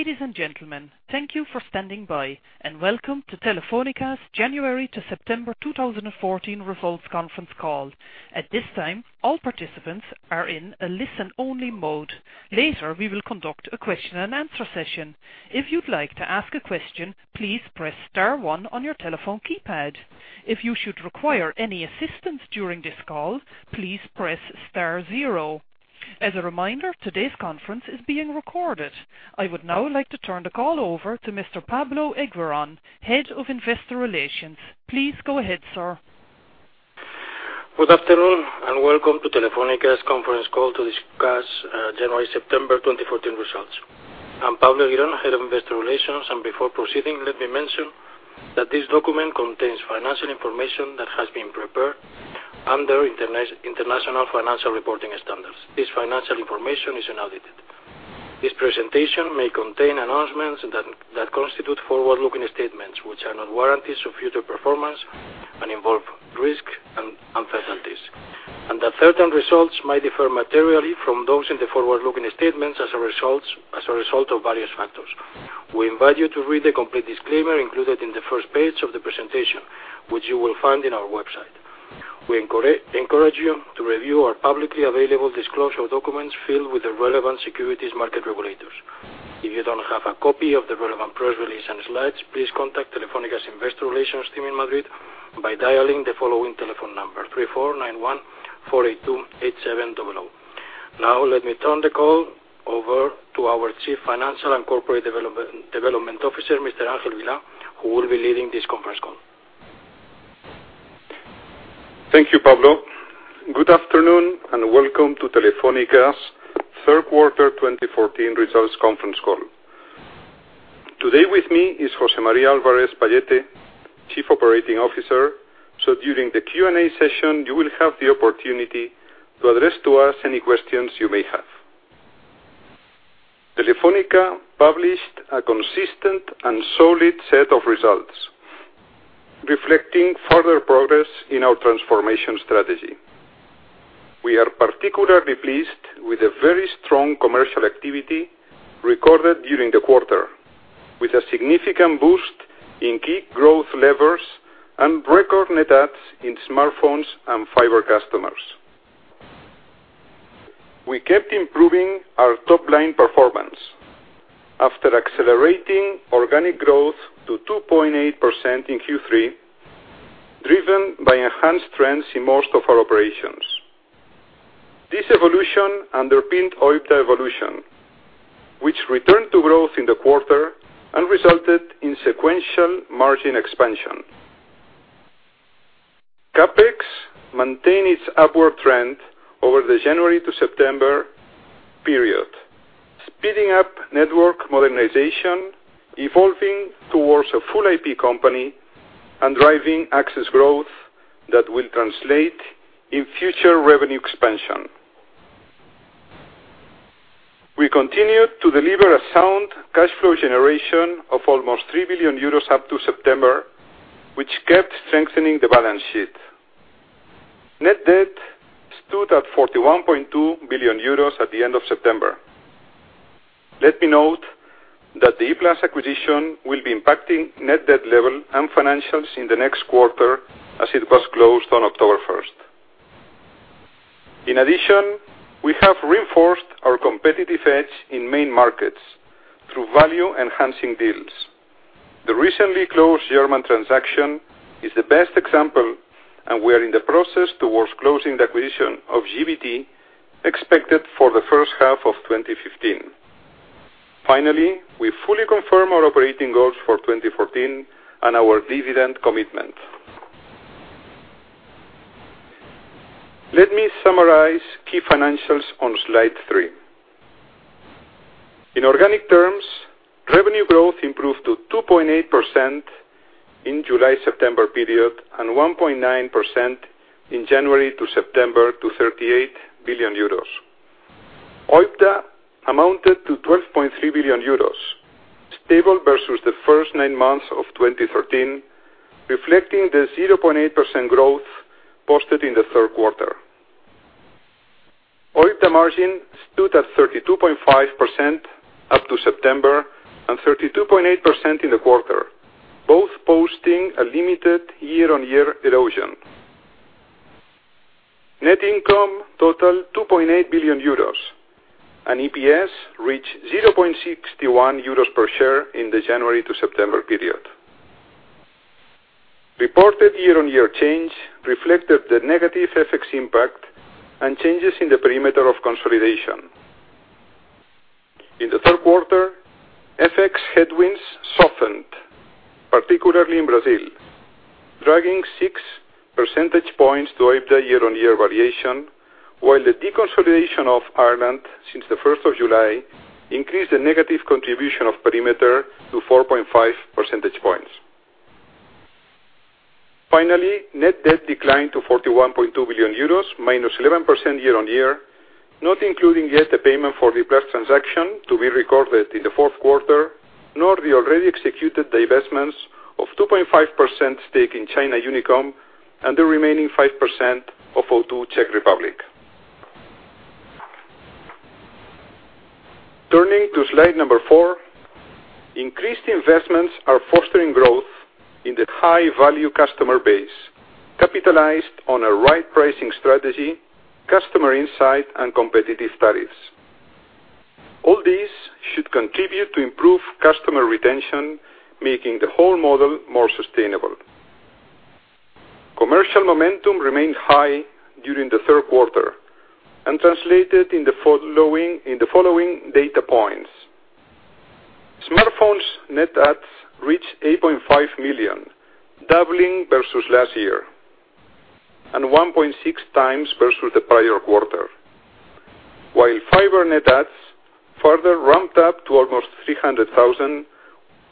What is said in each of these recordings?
Ladies and gentlemen, thank you for standing by, and welcome to Telefónica's January to September 2014 results conference call. At this time, all participants are in a listen-only mode. Later, we will conduct a question and answer session. If you'd like to ask a question, please press star one on your telephone keypad. If you should require any assistance during this call, please press star zero. As a reminder, today's conference is being recorded. I would now like to turn the call over to Mr. Pablo Eguirón, Head of Investor Relations. Please go ahead, sir. Good afternoon. Welcome to Telefónica's conference call to discuss January to September 2014 results. I'm Pablo Eguirón, Head of Investor Relations, and before proceeding, let me mention that this document contains financial information that has been prepared under International Financial Reporting Standards. This financial information is unaudited. This presentation may contain announcements that constitute forward-looking statements, which are not warranties of future performance and involve risk and uncertainties. That certain results might differ materially from those in the forward-looking statements as a result of various factors. We invite you to read the complete disclaimer included in the first page of the presentation, which you will find in our website. We encourage you to review our publicly available disclosure documents filled with the relevant securities market regulators. If you don't have a copy of the relevant press release and slides, please contact Telefónica's Investor Relations team in Madrid by dialing the following telephone number, 34 91 482 8700. Let me turn the call over to our Chief Financial and Corporate Development Officer, Mr. Ángel Vilá, who will be leading this conference call. Thank you, Pablo. Good afternoon. Welcome to Telefónica's third quarter 2014 results conference call. Today with me is José María Álvarez-Pallete, Chief Operating Officer. During the Q&A session, you will have the opportunity to address to us any questions you may have. Telefónica published a consistent and solid set of results reflecting further progress in our transformation strategy. We are particularly pleased with the very strong commercial activity recorded during the quarter, with a significant boost in key growth levers and record net adds in smartphones and fiber customers. We kept improving our top-line performance after accelerating organic growth to 2.8% in Q3, driven by enhanced trends in most of our operations. This evolution underpinned OIBDA evolution, which returned to growth in the quarter and resulted in sequential margin expansion. CapEx maintain its upward trend over the January to September period, speeding up network modernization, evolving towards a full IP company, and driving access growth that will translate in future revenue expansion. We continued to deliver a sound cash flow generation of almost 3 billion euros up to September, which kept strengthening the balance sheet. Net debt stood at 41.2 billion euros at the end of September. Let me note that the E-Plus acquisition will be impacting net debt level and financials in the next quarter as it was closed on October 1st. In addition, we have reinforced our competitive edge in main markets through value-enhancing deals. The recently closed German transaction is the best example, and we are in the process towards closing the acquisition of GVT, expected for the first half of 2015. Finally, we fully confirm our operating goals for 2014 and our dividend commitment. Let me summarize key financials on slide three. In organic terms, revenue growth improved to 2.8% in July-September period and 1.9% in January to September to 38 billion euros. OIBDA amounted to 12.3 billion euros, stable versus the first nine months of 2013, reflecting the 0.8% growth posted in the third quarter. OIBDA margin stood at 32.5% up to September and 32.8% in the quarter, both posting a limited year-on-year erosion. Net income totaled 2.8 billion euros. EPS reached 0.61 euros per share in the January to September period. Reported year-on-year change reflected the negative FX impact and changes in the perimeter of consolidation. In the third quarter, FX headwinds softened, particularly in Brazil, dragging six percentage points to OIBDA year-on-year variation, while the deconsolidation of Ireland since the 1st of July increased the negative contribution of perimeter to 4.5 percentage points. Finally, net debt declined to 41.2 billion euros, minus 11% year-on-year, not including yet the payment for E-Plus transaction to be recorded in the fourth quarter, nor the already executed divestments of 2.5% stake in China Unicom and the remaining 5% of O2 Czech Republic. Turning to slide number four, increased investments are fostering growth in the high-value customer base, capitalized on a right pricing strategy, customer insight, and competitive tariffs. All these should contribute to improve customer retention, making the whole model more sustainable. Commercial momentum remained high during the third quarter and translated in the following data points. Smartphones net adds reached 8.5 million, doubling versus last year, and 1.6 times versus the prior quarter. While fiber net adds further ramped up to almost 300,000,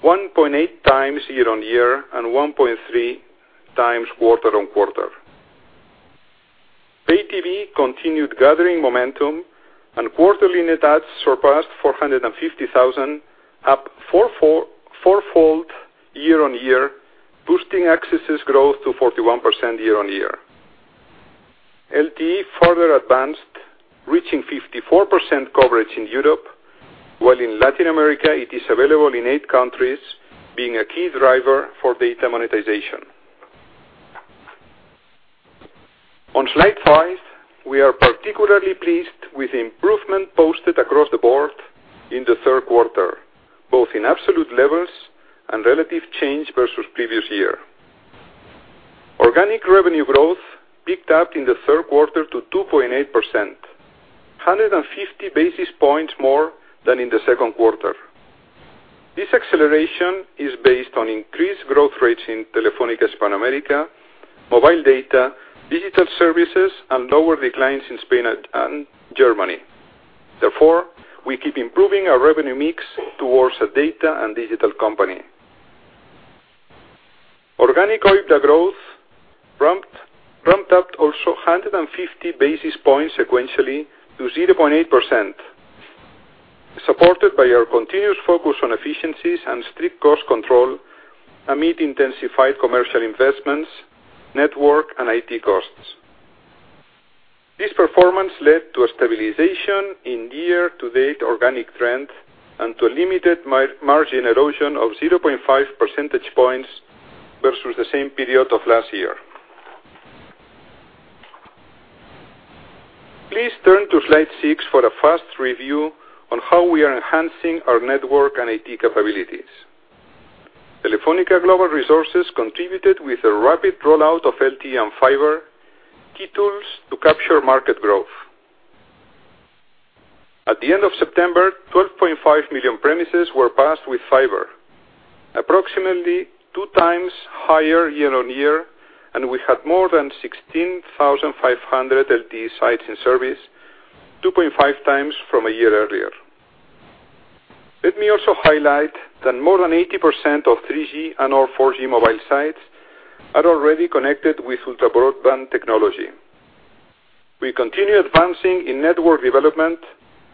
1.8 times year-on-year and 1.3 times quarter-on-quarter. Pay TV continued gathering momentum, and quarterly net adds surpassed 450,000, up four-fold year-on-year, boosting accesses growth to 41% year-on-year. LTE further advanced, reaching 54% coverage in Europe, while in Latin America it is available in eight countries, being a key driver for data monetization. On slide five, we are particularly pleased with the improvement posted across the board in the third quarter, both in absolute levels and relative change versus previous year. Organic revenue growth picked up in the third quarter to 2.8%, 150 basis points more than in the second quarter. This acceleration is based on increased growth rates in Telefónica Hispanoamérica, mobile data, digital services, and lower declines in Spain and Germany. Therefore, we keep improving our revenue mix towards a data and digital company. Organic OIBDA growth ramped up also 150 basis points sequentially to 0.8%, supported by our continuous focus on efficiencies and strict cost control amid intensified commercial investments, network, and IT costs. This performance led to a stabilization in year-to-date organic trend and to a limited margin erosion of 0.5 percentage points versus the same period of last year. Please turn to slide six for a fast review on how we are enhancing our network and IT capabilities. Telefónica Global Resources contributed with a rapid rollout of LTE and fiber, key tools to capture market growth. At the end of September, 12.5 million premises were passed with fiber, approximately two times higher year-on-year, and we had more than 16,500 LTE sites in service, 2.5 times from a year earlier. Let me also highlight that more than 80% of 3G and/or 4G mobile sites are already connected with ultra-broadband technology. We continue advancing in network development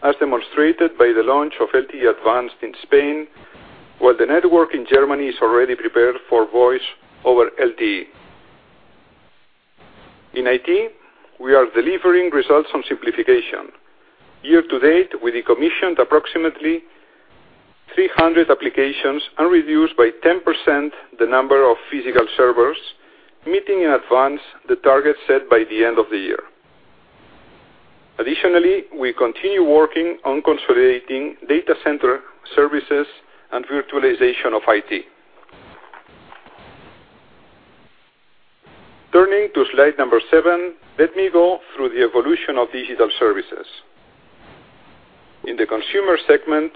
as demonstrated by the launch of LTE Advanced in Spain, while the network in Germany is already prepared for Voice over LTE. In IT, we are delivering results on simplification. Year-to-date, we decommissioned approximately 300 applications and reduced by 10% the number of physical servers, meeting in advance the target set by the end of the year. Additionally, we continue working on consolidating data center services and virtualization of IT. Turning to slide number seven, let me go through the evolution of digital services. In the consumer segment,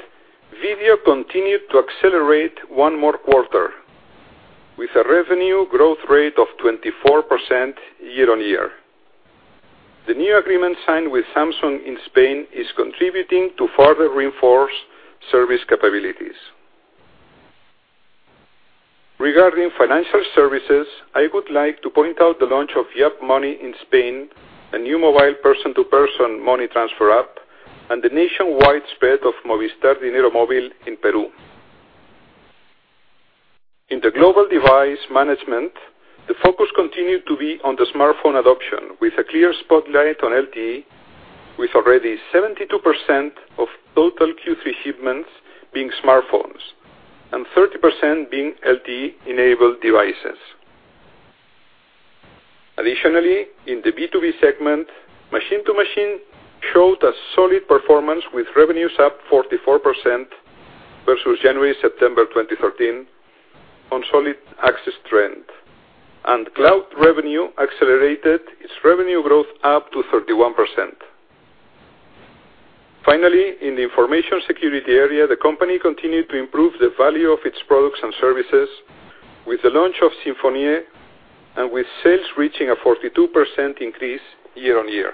Vivo continued to accelerate one more quarter with a revenue growth rate of 24% year-on-year. The new agreement signed with Samsung in Spain is contributing to further reinforce service capabilities. Regarding financial services, I would like to point out the launch of Yaap Money in Spain, a new mobile person-to-person money transfer app, and the nationwide spread of Tu Dinero Móvil in Peru. In the global device management, the focus continued to be on the smartphone adoption with a clear spotlight on LTE, with already 72% of total Q3 shipments being smartphones and 30% being LTE-enabled devices. Additionally, in the B2B segment, machine-to-machine showed a solid performance with revenues up 44% versus January-September 2013 on solid access trend. Cloud revenue accelerated its revenue growth up to 31%. Finally, in the information security area, the company continued to improve the value of its products and services with the launch of SinfonyA and with sales reaching a 42% increase year-on-year.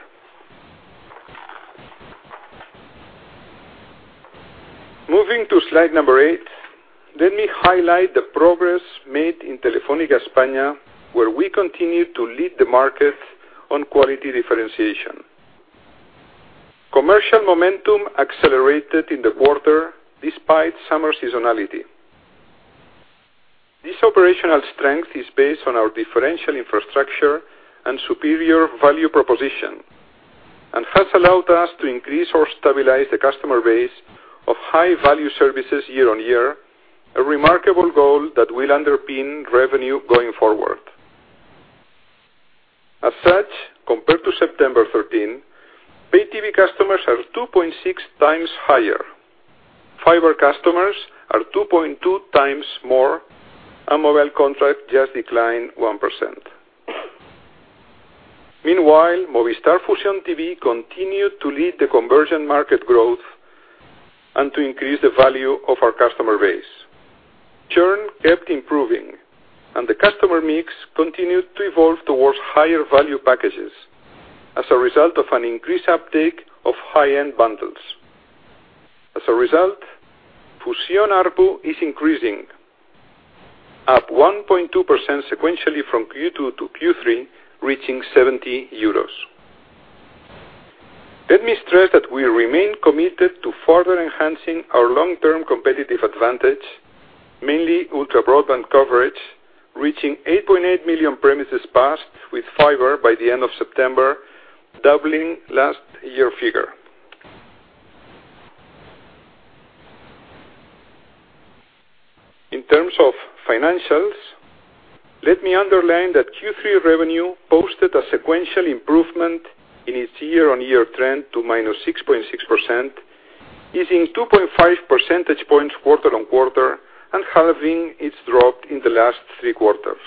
Moving to slide number eight, let me highlight the progress made in Telefónica España, where we continue to lead the market on quality differentiation. Commercial momentum accelerated in the quarter despite summer seasonality. This operational strength is based on our differential infrastructure and superior value proposition, and has allowed us to increase or stabilize the customer base of high-value services year-on-year, a remarkable goal that will underpin revenue going forward. As such, compared to September 2013, Pay TV customers are 2.6 times higher. Fiber customers are 2.2 times more, and mobile contract just declined 1%. Meanwhile, Movistar Fusión TV continued to lead the convergent market growth and to increase the value of our customer base. Churn kept improving, and the customer mix continued to evolve towards higher value packages as a result of an increased uptake of high-end bundles. As a result, Fusión ARPU is increasing at 1.2% sequentially from Q2 to Q3, reaching 70 euros. Let me stress that we remain committed to further enhancing our long-term competitive advantage, mainly ultra-broadband coverage, reaching 8.8 million premises passed with fiber by the end of September, doubling last year's figure. In terms of financials, let me underline that Q3 revenue posted a sequential improvement in its year-on-year trend to -6.6%, easing 2.5 percentage points quarter-on-quarter and halving its drop in the last three quarters.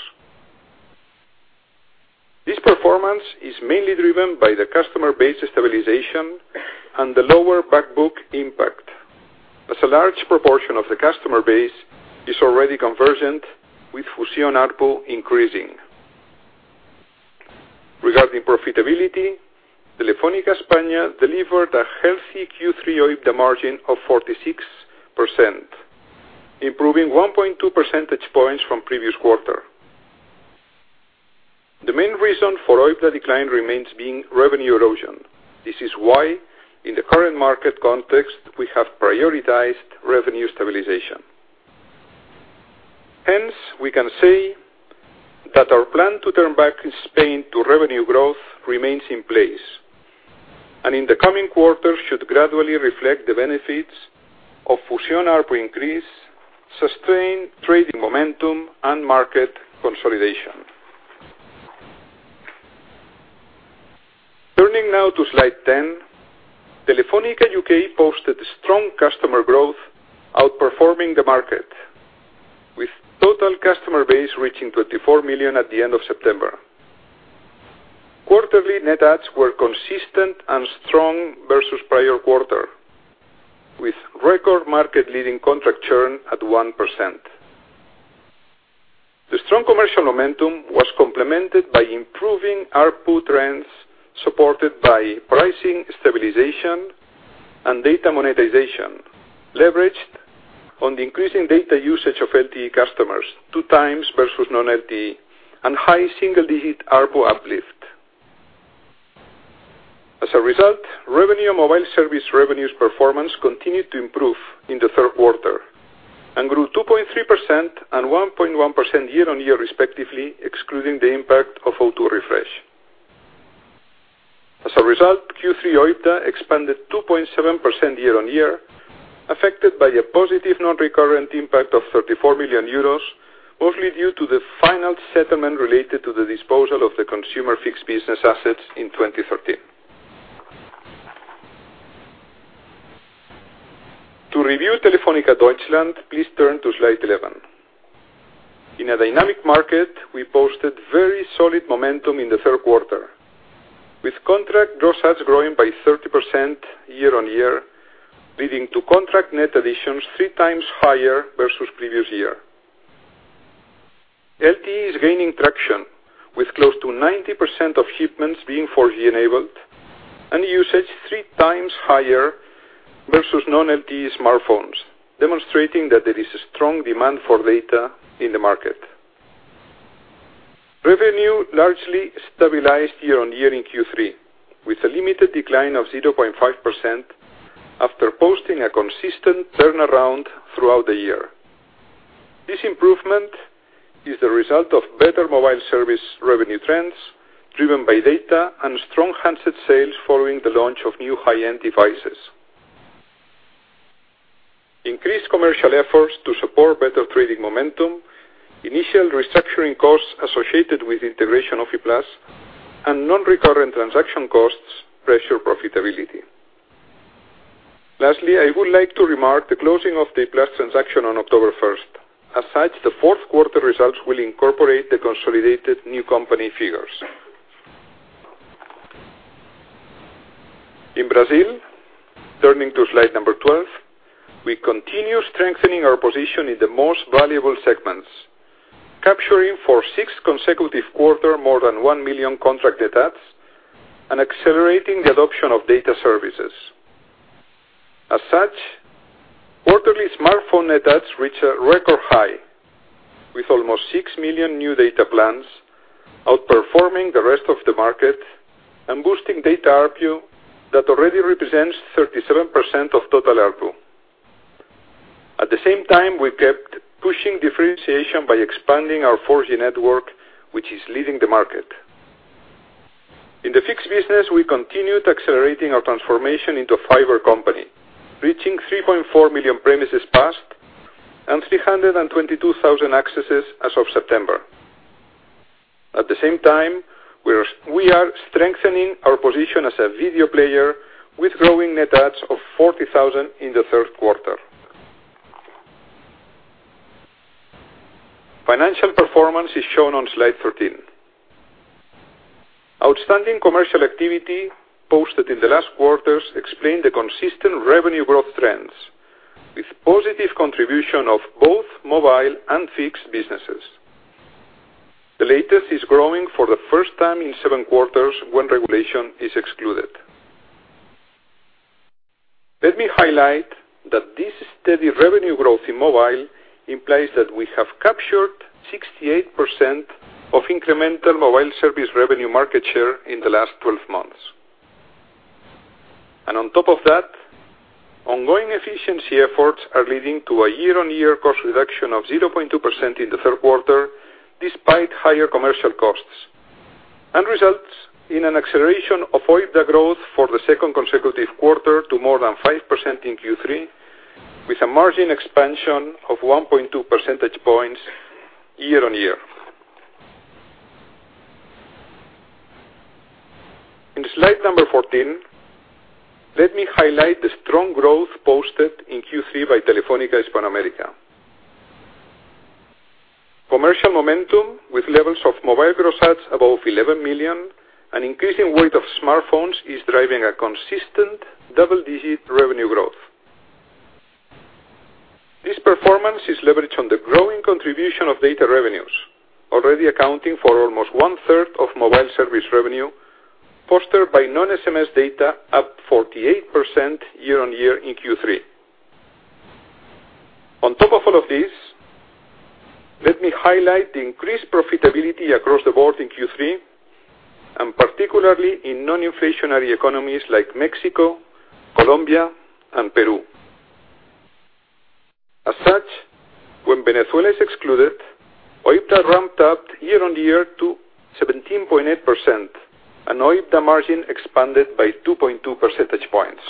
This performance is mainly driven by the customer base stabilization and the lower back book impact as a large proportion of the customer base is already convergent, with Fusión ARPU increasing. Regarding profitability, Telefónica España delivered a healthy Q3 OIBDA margin of 46%, improving 1.2 percentage points from previous quarter. The main reason for OIBDA decline remains being revenue erosion. This is why, in the current market context, we have prioritized revenue stabilization. We can say that our plan to turn back Spain to revenue growth remains in place, and in the coming quarter should gradually reflect the benefits of Fusión ARPU increase, sustained trading momentum, and market consolidation. Turning now to slide 10, Telefónica UK posted strong customer growth outperforming the market, with total customer base reaching 24 million at the end of September. Quarterly net adds were consistent and strong versus prior quarter, with record market leading contract churn at 1%. The strong commercial momentum was complemented by improving ARPU trends, supported by pricing stabilization and data monetization leveraged on the increasing data usage of LTE customers, two times versus non-LTE and high single-digit ARPU uplift. As a result, revenue mobile service revenues performance continued to improve in the third quarter and grew 2.3% and 1.1% year-on-year respectively, excluding the impact of O2 Refresh. As a result, Q3 OIBDA expanded 2.7% year-on-year, affected by a positive non-recurrent impact of 34 million euros, mostly due to the final settlement related to the disposal of the consumer fixed business assets in 2013. To review Telefónica Deutschland, please turn to slide 11. In a dynamic market, we posted very solid momentum in the third quarter, with contract gross adds growing by 30% year-on-year, leading to contract net additions three times higher versus previous year. LTE is gaining traction, with close to 90% of shipments being 4G enabled and usage three times higher versus non-LTE smartphones, demonstrating that there is a strong demand for data in the market. Revenue largely stabilized year-on-year in Q3, with a limited decline of 0.5% after posting a consistent turnaround throughout the year. This improvement is the result of better mobile service revenue trends driven by data and strong handset sales following the launch of new high-end devices. Increased commercial efforts to support better trading momentum, initial restructuring costs associated with integration of E-Plus, and non-recurrent transaction costs pressure profitability. Lastly, I would like to remark the closing of the E-Plus transaction on October 1st. The fourth quarter results will incorporate the consolidated new company figures. In Brazil, turning to slide number 12, we continue strengthening our position in the most valuable segments, capturing for sixth consecutive quarter more than one million contract net adds and accelerating the adoption of data services. As such, quarterly smartphone net adds reached a record high with almost six million new data plans. Outperforming the rest of the market and boosting data ARPU that already represents 37% of total ARPU. At the same time, we've kept pushing differentiation by expanding our 4G network, which is leading the market. In the fixed business, we continued accelerating our transformation into a fiber company, reaching 3.4 million premises passed and 322,000 accesses as of September. At the same time, we are strengthening our position as a video player with growing net adds of 40,000 in the third quarter. Financial performance is shown on slide 13. Outstanding commercial activity posted in the last quarters explain the consistent revenue growth trends, with positive contribution of both mobile and fixed businesses. The latest is growing for the first time in seven quarters when regulation is excluded. Let me highlight that this steady revenue growth in mobile implies that we have captured 68% of incremental mobile service revenue market share in the last 12 months. On top of that, ongoing efficiency efforts are leading to a year-on-year cost reduction of 0.2% in the third quarter, despite higher commercial costs, and results in an acceleration of OIBDA growth for the second consecutive quarter to more than 5% in Q3, with a margin expansion of 1.2 percentage points year-on-year. In slide number 14, let me highlight the strong growth posted in Q3 by Telefónica Hispanoamérica. Commercial momentum with levels of mobile gross adds above 11 million, and increasing weight of smartphones is driving a consistent double-digit revenue growth. This performance is leveraged on the growing contribution of data revenues, already accounting for almost one-third of mobile service revenue, fostered by non-SMS data up 48% year-on-year in Q3. On top of all of this, let me highlight the increased profitability across the board in Q3, and particularly in non-inflationary economies like Mexico, Colombia, and Peru. As such, when Venezuela is excluded, OIBDA ramped up year-on-year to 17.8%, and OIBDA margin expanded by 2.2 percentage points.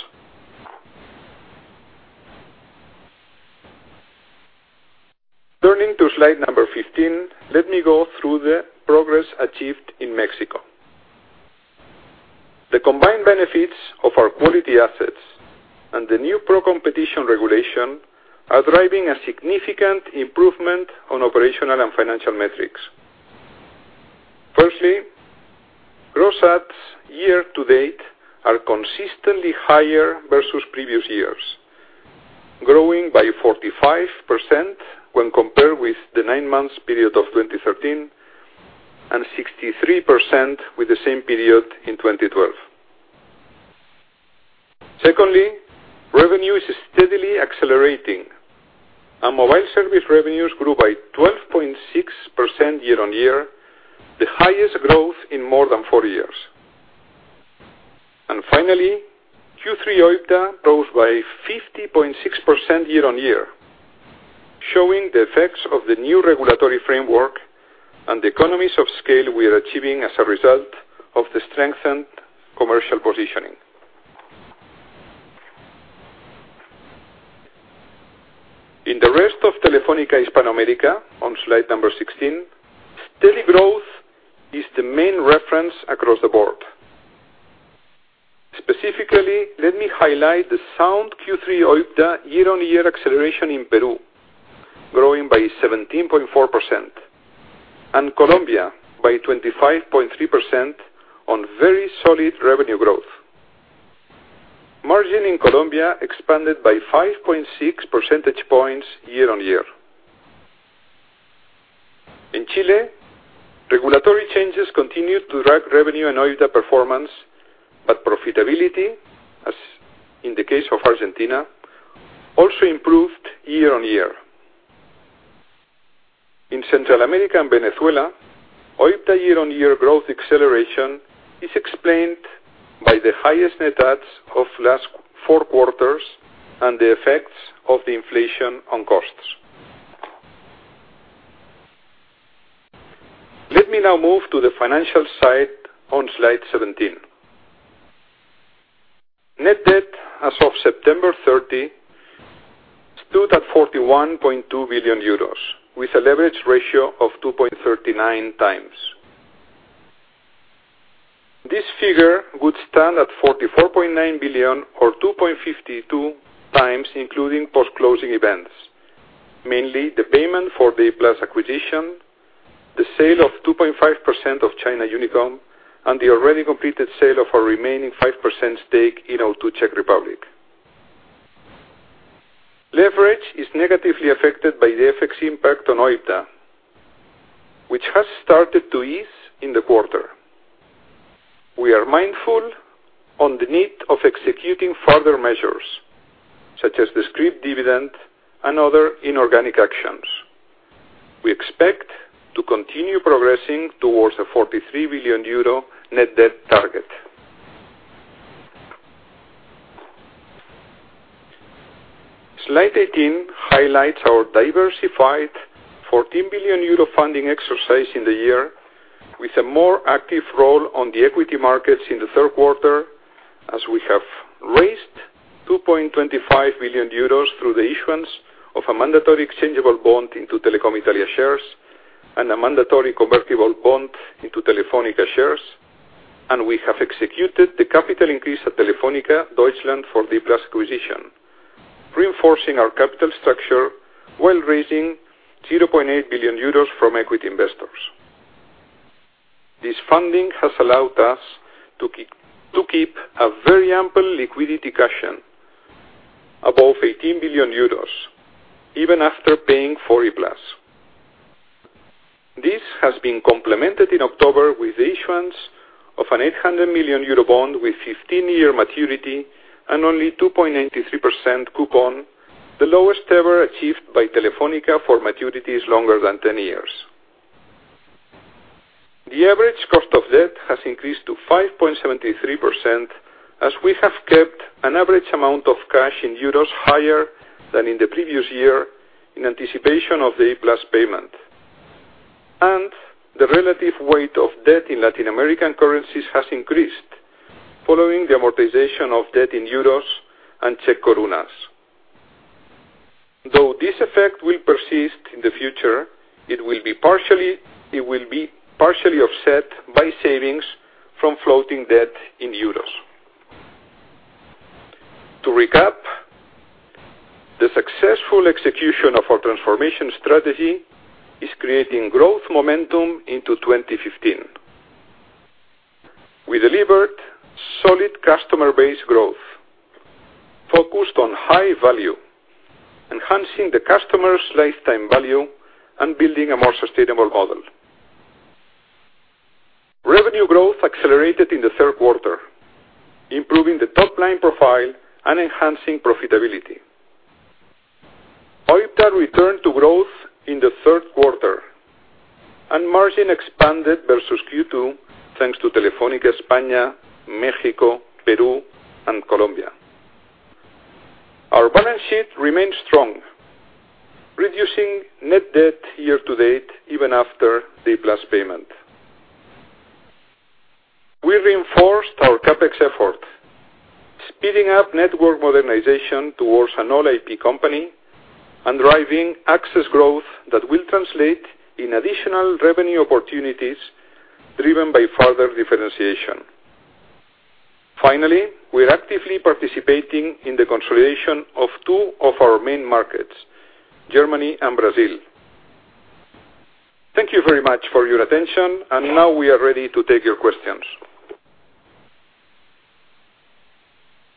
Turning to slide number 15, let me go through the progress achieved in Mexico. The combined benefits of our quality assets and the new pro-competition regulation are driving a significant improvement on operational and financial metrics. Firstly, gross adds year to date are consistently higher versus previous years, growing by 45% when compared with the nine-month period of 2013, and 63% with the same period in 2012. Secondly, revenue is steadily accelerating, and mobile service revenues grew by 12.6% year-on-year, the highest growth in more than four years. Finally, Q3 OIBDA rose by 50.6% year-on-year, showing the effects of the new regulatory framework and the economies of scale we are achieving as a result of the strengthened commercial positioning. In the rest of Telefónica Hispanoamérica on slide number 16, steady growth is the main reference across the board. Specifically, let me highlight the sound Q3 OIBDA year-on-year acceleration in Peru, growing by 17.4%, and Colombia by 25.3% on very solid revenue growth. Margin in Colombia expanded by 5.6 percentage points year-on-year. In Chile, regulatory changes continued to drag revenue and OIBDA performance, but profitability, as in the case of Argentina, also improved year-on-year. In Central America and Venezuela, OIBDA year-on-year growth acceleration is explained by the highest net adds of last four quarters and the effects of the inflation on costs. Let me now move to the financial side on slide 17. Net debt as of September 30 stood at 41.2 billion euros, with a leverage ratio of 2.39 times. This figure would stand at 44.9 billion or 2.52 times including post-closing events, mainly the payment for the E-Plus acquisition, the sale of 2.5% of China Unicom, and the already completed sale of our remaining 5% stake in O2 Czech Republic. Leverage is negatively affected by the FX impact on OIBDA, which has started to ease in the quarter. We are mindful on the need of executing further measures such as the scrip dividend and other inorganic actions. We expect to continue progressing towards a 43 billion euro net debt target. Slide 18 highlights our diversified 14 billion euro funding exercise in the year, with a more active role on the equity markets in the third quarter, as we have raised 2.25 billion euros through the issuance of a mandatory exchangeable bond into Telecom Italia shares and a mandatory convertible bond into Telefónica shares. We have executed the capital increase at Telefónica Deutschland for the E-Plus acquisition, reinforcing our capital structure while raising 0.8 billion euros from equity investors. This funding has allowed us to keep a very ample liquidity cushion above 18 billion euros, even after paying for E-Plus. This has been complemented in October with the issuance of an 800 million euro bond with 15-year maturity and only 2.93% coupon, the lowest ever achieved by Telefónica for maturities longer than 10 years. The average cost of debt has increased to 5.73% as we have kept an average amount of cash in euros higher than in the previous year in anticipation of the E-Plus payment. The relative weight of debt in Latin American currencies has increased following the amortization of debt in euros and Czech korunas. Though this effect will persist in the future, it will be partially offset by savings from floating debt in euros. To recap, the successful execution of our transformation strategy is creating growth momentum into 2015. We delivered solid customer base growth, focused on high value, enhancing the customer's lifetime value, and building a more sustainable model. Revenue growth accelerated in the third quarter, improving the top-line profile and enhancing profitability. OIBDA returned to growth in the third quarter, and margin expanded versus Q2 thanks to Telefónica España, Mexico, Peru, and Colombia. Our balance sheet remains strong, reducing net debt year to date, even after the E-Plus payment. We reinforced our CapEx effort, speeding up network modernization towards an all IP company and driving access growth that will translate in additional revenue opportunities driven by further differentiation. Finally, we are actively participating in the consolidation of two of our main markets, Germany and Brazil. Thank you very much for your attention. Now we are ready to take your questions.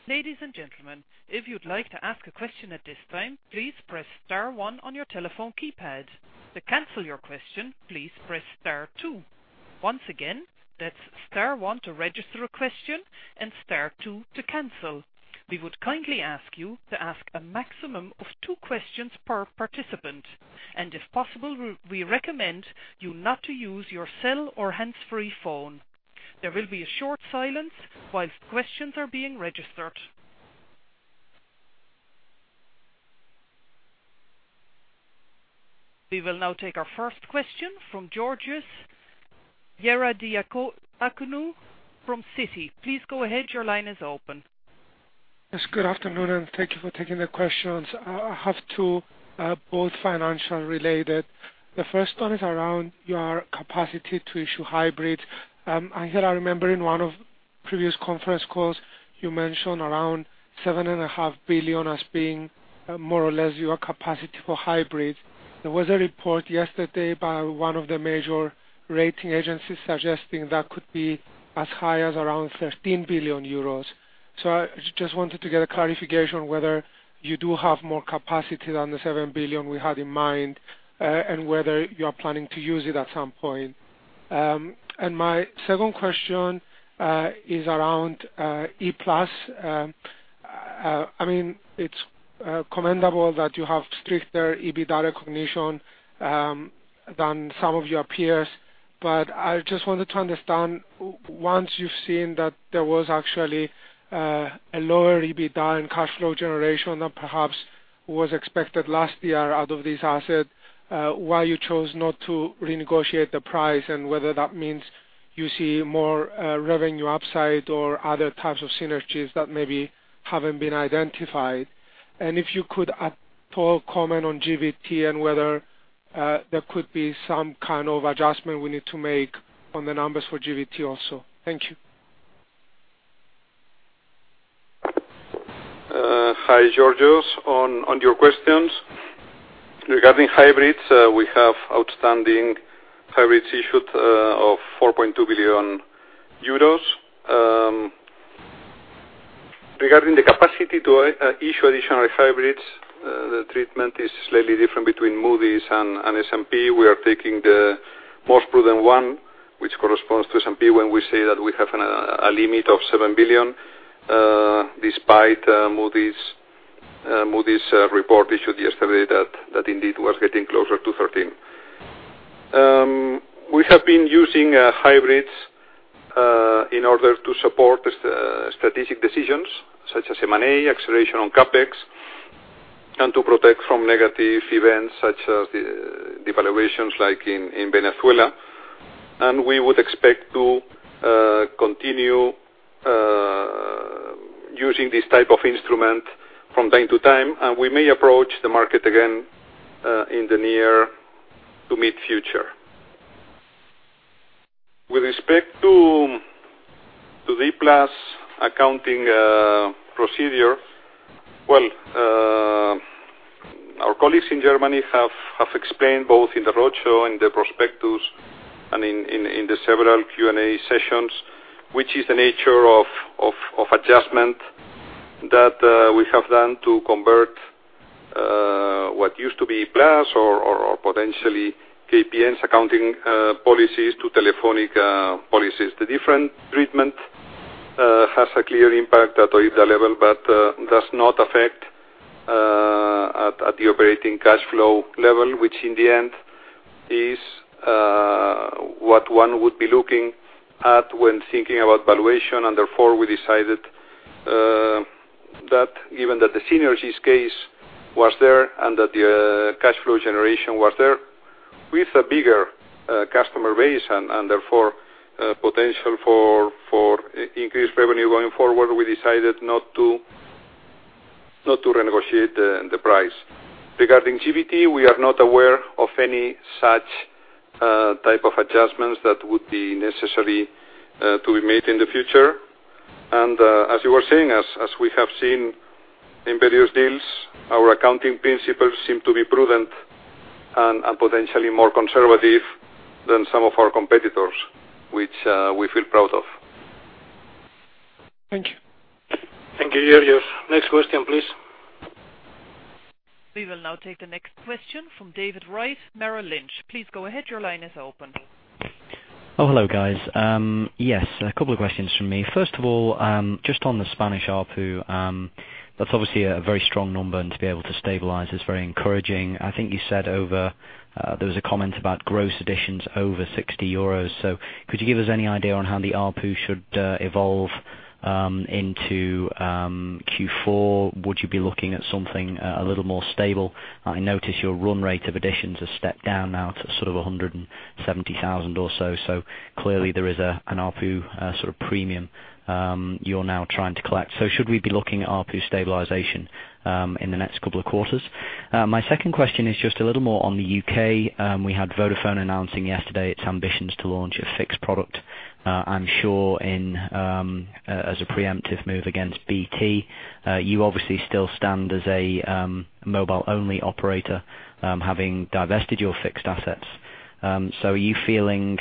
Ladies and gentlemen, if you would like to ask a question at this time, please press star one on your telephone keypad. To cancel your question, please press star two. Once again, that is star one to register a question and star two to cancel. We would kindly ask you to ask a maximum of two questions per participant. If possible, we recommend you not to use your cell or hands-free phone. There will be a short silence while questions are being registered. We will now take our first question from Georgios Ierodiaconou from Citi. Please go ahead. Your line is open. Yes, good afternoon, and thank you for taking the questions. I have two, both financial related. The first one is around your capacity to issue hybrids. Ángel, I remember in one of previous conference calls, you mentioned around 7.5 billion as being more or less your capacity for hybrids. There was a report yesterday by one of the major rating agencies suggesting that could be as high as around 13 billion euros. So I just wanted to get a clarification whether you do have more capacity than the 7 billion we had in mind, and whether you are planning to use it at some point. My second question is around E-Plus. It is commendable that you have stricter EBITDA recognition than some of your peers, but I just wanted to understand, once you have seen that there was actually a lower EBITDA in cash flow generation than perhaps was expected last year out of this asset, why you chose not to renegotiate the price and whether that means you see more revenue upside or other types of synergies that maybe haven't been identified. If you could at all comment on GVT and whether there could be some kind of adjustment we need to make on the numbers for GVT also. Thank you. Hi, Georgios. On your questions, regarding hybrids, we have outstanding hybrids issued of 4.2 billion euros. Regarding the capacity to issue additional hybrids, the treatment is slightly different between Moody's and S&P. We are taking the more prudent one, which corresponds to S&P when we say that we have a limit of $7 billion, despite Moody's report issued yesterday that indeed was getting closer to 13. We have been using hybrids in order to support strategic decisions such as M&A, acceleration on CapEx, and to protect from negative events such as devaluations like in Venezuela. We would expect to continue using this type of instrument from time to time, and we may approach the market again in the near to mid-future. With respect to the E-Plus accounting procedure, well, our colleagues in Germany have explained both in the roadshow, in the prospectus, and in the several Q&A sessions, which is the nature of adjustment that we have done to convert what used to be E-Plus or potentially KPN's accounting policies to Telefónica policies. The different treatment has a clear impact at the EBITDA level, but does not affect at the operating cash flow level, which in the end is what one would be looking at when thinking about valuation. Therefore, we decided that given that the synergies case was there and that the cash flow generation was there, with a bigger customer base and therefore potential for increased revenue going forward, we decided not to renegotiate the price. Regarding GVT, we are not aware of any such type of adjustments that would be necessary to be made in the future. As you were saying, as we have seen in various deals, our accounting principles seem to be prudent and potentially more conservative than some of our competitors, which we feel proud of. Thank you. Thank you, Georgios. Next question, please. We will now take the next question from David Wright, Merrill Lynch. Please go ahead. Your line is open. Oh, hello, guys. Yes, a couple of questions from me. First of all, just on the Spanish ARPU, that's obviously a very strong number, and to be able to stabilize is very encouraging. I think you said there was a comment about gross additions over 60 euros. Could you give us any idea on how the ARPU should evolve into Q4? Would you be looking at something a little more stable? I notice your run rate of additions has stepped down now to 170,000 or so. Clearly there is an ARPU premium you're now trying to collect. Should we be looking at ARPU stabilization in the next couple of quarters? My second question is just a little more on the U.K. We had Vodafone announcing yesterday its ambitions to launch a fixed product, I'm sure as a preemptive move against BT. You obviously still stand as a mobile-only operator, having divested your fixed assets. Are you feeling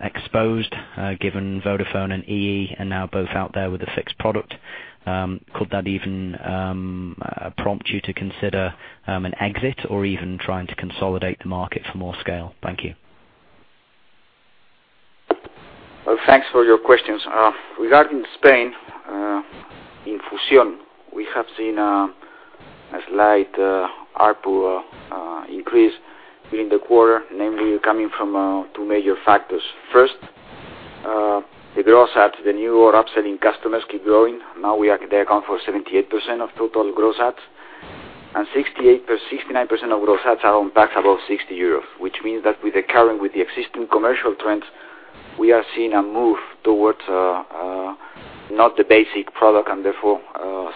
exposed, given Vodafone and EE are now both out there with a fixed product? Could that even prompt you to consider an exit or even trying to consolidate the market for more scale? Thank you. Well, thanks for your questions. Regarding Spain, in Fusión, we have seen a slight ARPU increase during the quarter, namely coming from two major factors. First, the gross adds, the newer upselling customers keep growing. Now they account for 78% of total gross adds, and 69% of gross adds are on packs above 60 euros, which means that with the current, with the existing commercial trends, we are seeing a move towards not the basic product and therefore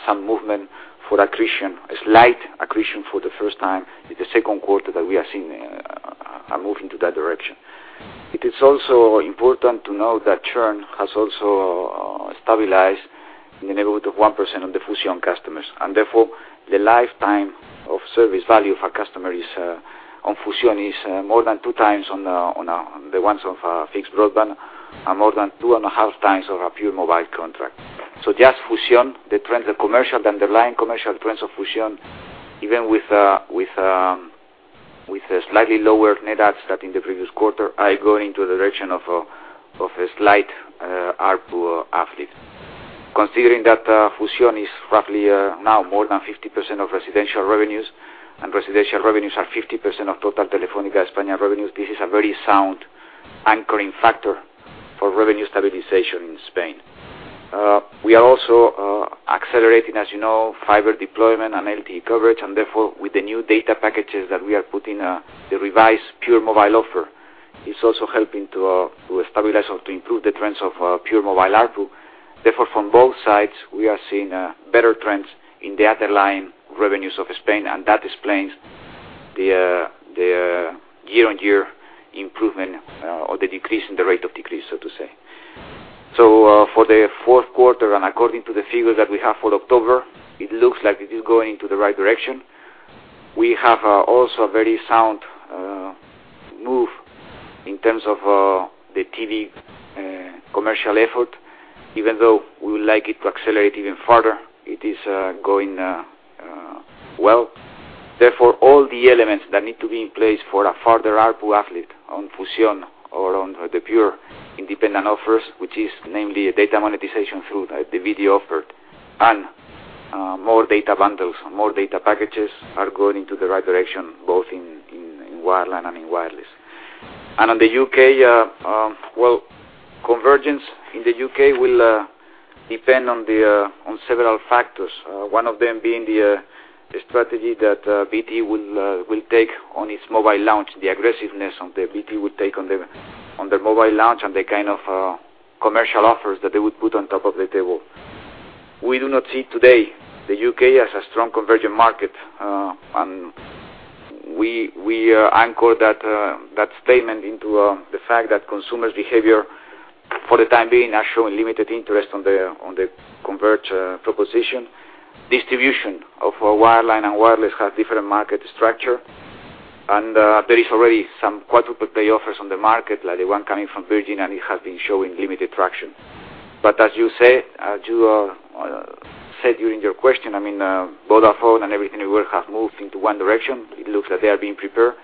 some movement for accretion. A slight accretion for the first time in the second quarter that we are seeing a move into that direction. It is also important to note that churn has also stabilized in the neighborhood of 1% on the Fusión customers. Therefore, the lifetime of service value of our customer on Fusión is more than two times on the ones of fixed broadband, and more than two and a half times of a pure mobile contract. Just Fusión, the trend, the underlying commercial trends of Fusión, even with a slightly lower net adds that in the previous quarter, are going into the direction of a slight ARPU uplift. Considering that Fusión is roughly now more than 50% of residential revenues, and residential revenues are 50% of total Telefónica España revenues, this is a very sound anchoring factor for revenue stabilization in Spain. We are also accelerating, as you know, fiber deployment and LTE coverage, and therefore, with the new data packages that we are putting, the revised pure mobile offer is also helping to stabilize or to improve the trends of pure mobile ARPU. Therefore, from both sides, we are seeing better trends in the underlying revenues of Spain, and that explains the year-on-year improvement or the decrease in the rate of decrease, so to say. For the fourth quarter, and according to the figures that we have for October, it looks like it is going to the right direction. We have also a very sound move in terms of the TV commercial effort, even though we would like it to accelerate even further, it is going well. Therefore, all the elements that need to be in place for a further ARPU uplift on Fusión or on the pure independent offers, which is namely data monetization through the video offer, and more data bundles, more data packages are going into the right direction, both in wireline and in wireless. On the U.K., well, convergence in the U.K. will depend on several factors. One of them being the strategy that BT will take on its mobile launch, the aggressiveness on the BT will take on the mobile launch and the kind of commercial offers that they would put on top of the table. We do not see today the U.K. as a strong convergent market. We anchor that statement into the fact that consumers' behavior, for the time being, are showing limited interest on the convergent proposition. Distribution of wireline and wireless have different market structure. There is already some quad-play offers on the market, like the one coming from Virgin, and it has been showing limited traction. As you said during your question, Vodafone and Everything Everywhere have moved into one direction. It looks like they are being prepared.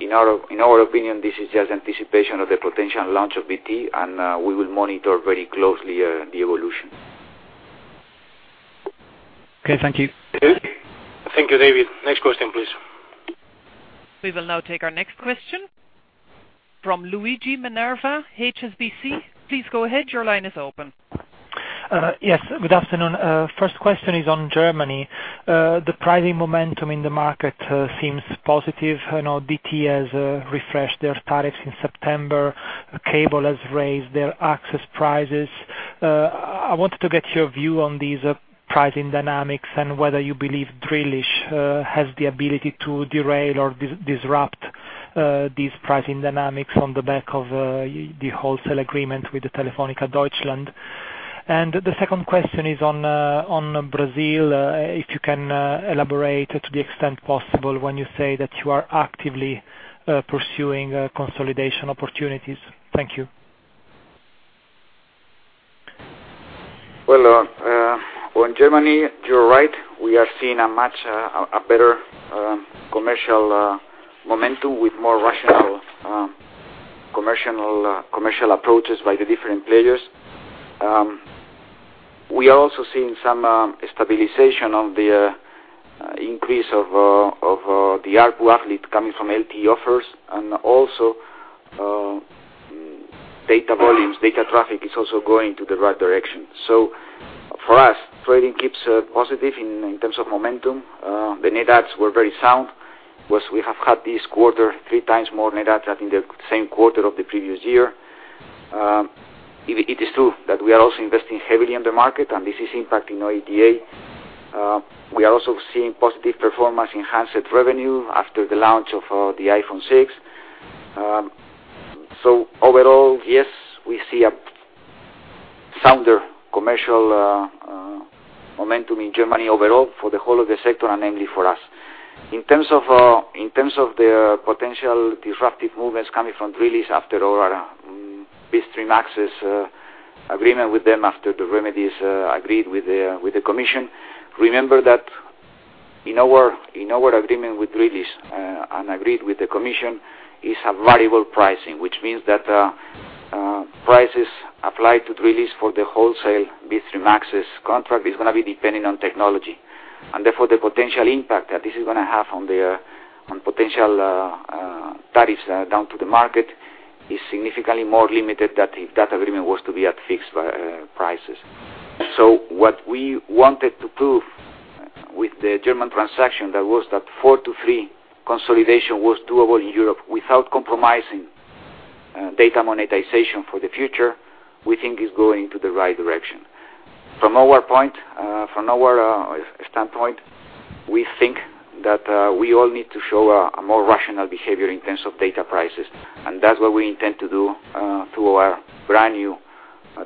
In our opinion, this is just anticipation of the potential launch of BT, and we will monitor very closely the evolution. Okay. Thank you. Thank you, David. Next question, please. We will now take our next question from Luigi Minerva, HSBC. Please go ahead. Your line is open. Yes, good afternoon. First question is on Germany. The pricing momentum in the market seems positive. I know DT has refreshed their tariffs in September. Cable has raised their access prices. I wanted to get your view on these pricing dynamics and whether you believe Drillisch has the ability to derail or disrupt these pricing dynamics on the back of the wholesale agreement with Telefónica Deutschland. The second question is on Brazil, if you can elaborate to the extent possible when you say that you are actively pursuing consolidation opportunities. Thank you. Well, on Germany, you're right. We are seeing a better commercial momentum with more rational commercial approaches by the different players. We are also seeing some stabilization of the increase of the ARPU uplift coming from LTE offers, and also data volumes, data traffic is also going to the right direction. For us, trading keeps positive in terms of momentum. The net adds were very sound. We have had this quarter three times more net adds than in the same quarter of the previous year. It is true that we are also investing heavily in the market, and this is impacting OIBDA. We are also seeing positive performance in handset revenue after the launch of the iPhone 6. Overall, yes, we see a sounder commercial momentum in Germany overall for the whole of the sector, and namely for us. In terms of the potential disruptive movements coming from Drillisch after our Bitstream access agreement with them after the remedies agreed with the commission. Remember that in our agreement with Drillisch and agreed with the commission is a variable pricing, which means that prices applied to Drillisch for the wholesale Bitstream access contract is going to be dependent on technology. Therefore, the potential impact that this is going to have on potential tariffs down to the market is significantly more limited than if that agreement was to be at fixed prices. What we wanted to prove with the German transaction, that was that 4-3 consolidation was doable in Europe without compromising data monetization for the future, we think is going to the right direction. From our standpoint, we think that we all need to show a more rational behavior in terms of data prices, and that's what we intend to do through our brand new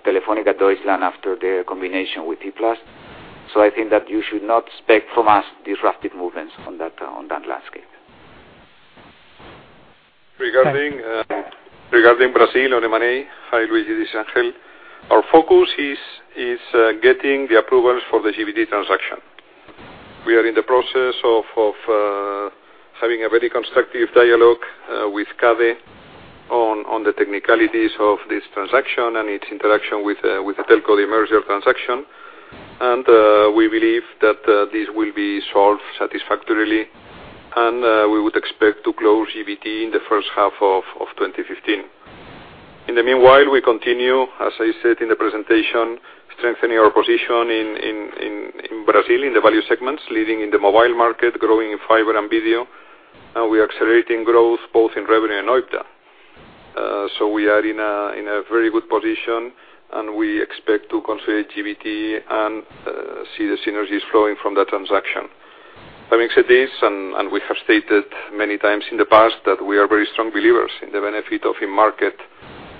Telefónica Deutschland after the combination with E-Plus. I think that you should not expect from us disruptive movements on that landscape. Regarding Brazil on the money, hi Luigi, this is Ángel. Our focus is getting the approvals for the GVT transaction. We are in the process of having a very constructive dialogue with CADE on the technicalities of this transaction and its interaction with the Telecom Italia transaction. We believe that this will be solved satisfactorily, and we would expect to close GVT in the first half of 2015. In the meanwhile, we continue, as I said in the presentation, strengthening our position in Brazil in the value segments, leading in the mobile market, growing in fiber and video. We are accelerating growth both in revenue and OIBDA. We are in a very good position, and we expect to consolidate GVT and see the synergies flowing from that transaction. Having said this, we have stated many times in the past that we are very strong believers in the benefit of a market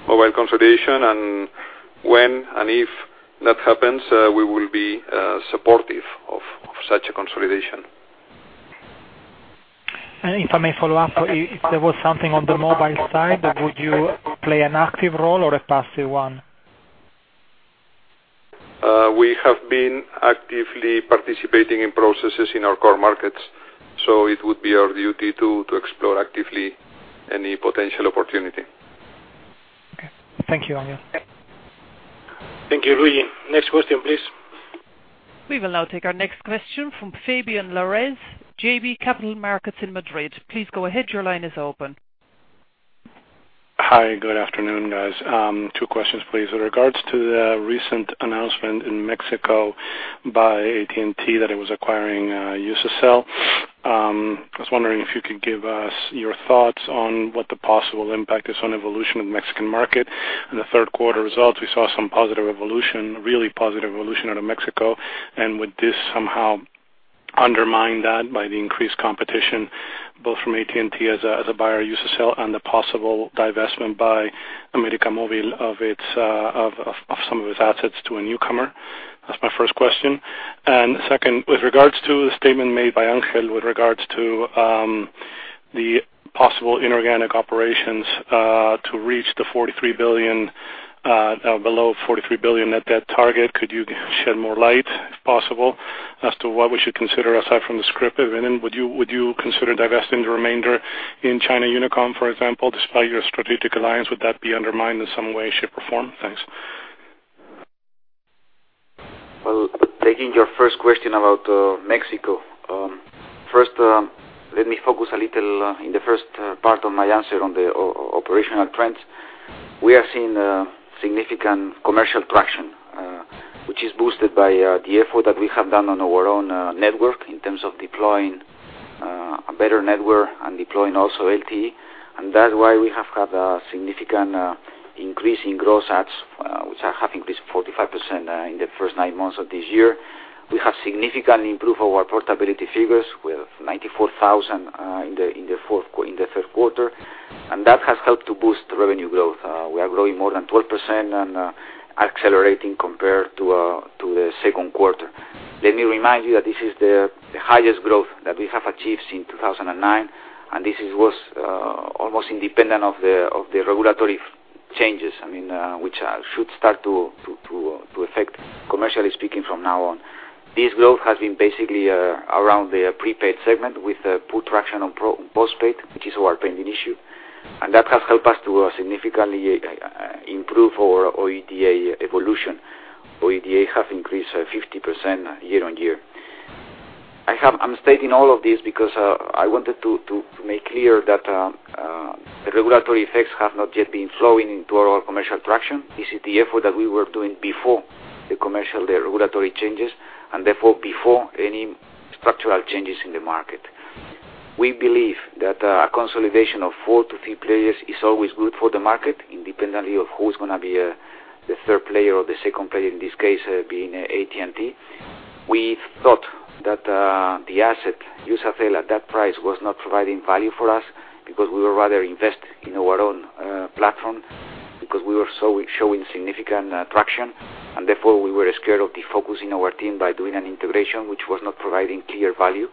mobile consolidation, when, if that happens, we will be supportive of such a consolidation. If I may follow up, if there was something on the mobile side, would you play an active role or a passive one? We have been actively participating in processes in our core markets, it would be our duty to explore actively any potential opportunity. Okay. Thank you, Ángel. Thank you, Luigi. Next question, please. We will now take our next question from Fabián Lares, JB Capital Markets in Madrid. Please go ahead. Your line is open. Hi, good afternoon, guys. Two questions, please. With regards to the recent announcement in Mexico by AT&T that it was acquiring Iusacell, I was wondering if you could give us your thoughts on what the possible impact is on evolution of the Mexican market. In the third quarter results, we saw some really positive evolution out of Mexico. Would this somehow undermine that by the increased competition, both from AT&T as a buyer of Iusacell, and the possible divestment by América Móvil of some of its assets to a newcomer? That's my first question. Second, with regards to the statement made by Ángel with regards to the possible inorganic operations to reach the below 43 billion net debt target, could you shed more light if possible, as to what we should consider aside from the scrip dividend? Would you consider divesting the remainder in China Unicom, for example, despite your strategic alliance? Would that be undermined in some way, shape, or form? Thanks. Taking your first question about Mexico. Let me focus a little in the first part of my answer on the operational trends. We are seeing significant commercial traction, which is boosted by the effort that we have done on our own network in terms of deploying a better network and deploying also LTE. That's why we have had a significant increase in gross adds, which have increased 45% in the first nine months of this year. We have significantly improved our portability figures. We have 94,000 in the third quarter, that has helped to boost revenue growth. We are growing more than 12% and accelerating compared to the second quarter. Let me remind you that this is the highest growth that we have achieved since 2009, this was almost independent of the regulatory changes, which should start to affect, commercially speaking, from now on. This growth has been basically around the prepaid segment with good traction on postpaid, which is our pending issue, that has helped us to significantly improve our OIBDA evolution. OIBDA have increased 50% year-on-year. I'm stating all of this because I wanted to make clear that regulatory effects have not yet been flowing into our commercial traction. This is the effort that we were doing before the regulatory changes, before any structural changes in the market. We believe that a consolidation of four to three players is always good for the market, independently of who's going to be the third player or the second player, in this case being AT&T. We thought that the asset, Iusacell, at that price was not providing value for us because we would rather invest in our own platform because we were showing significant traction, we were scared of defocusing our team by doing an integration which was not providing clear value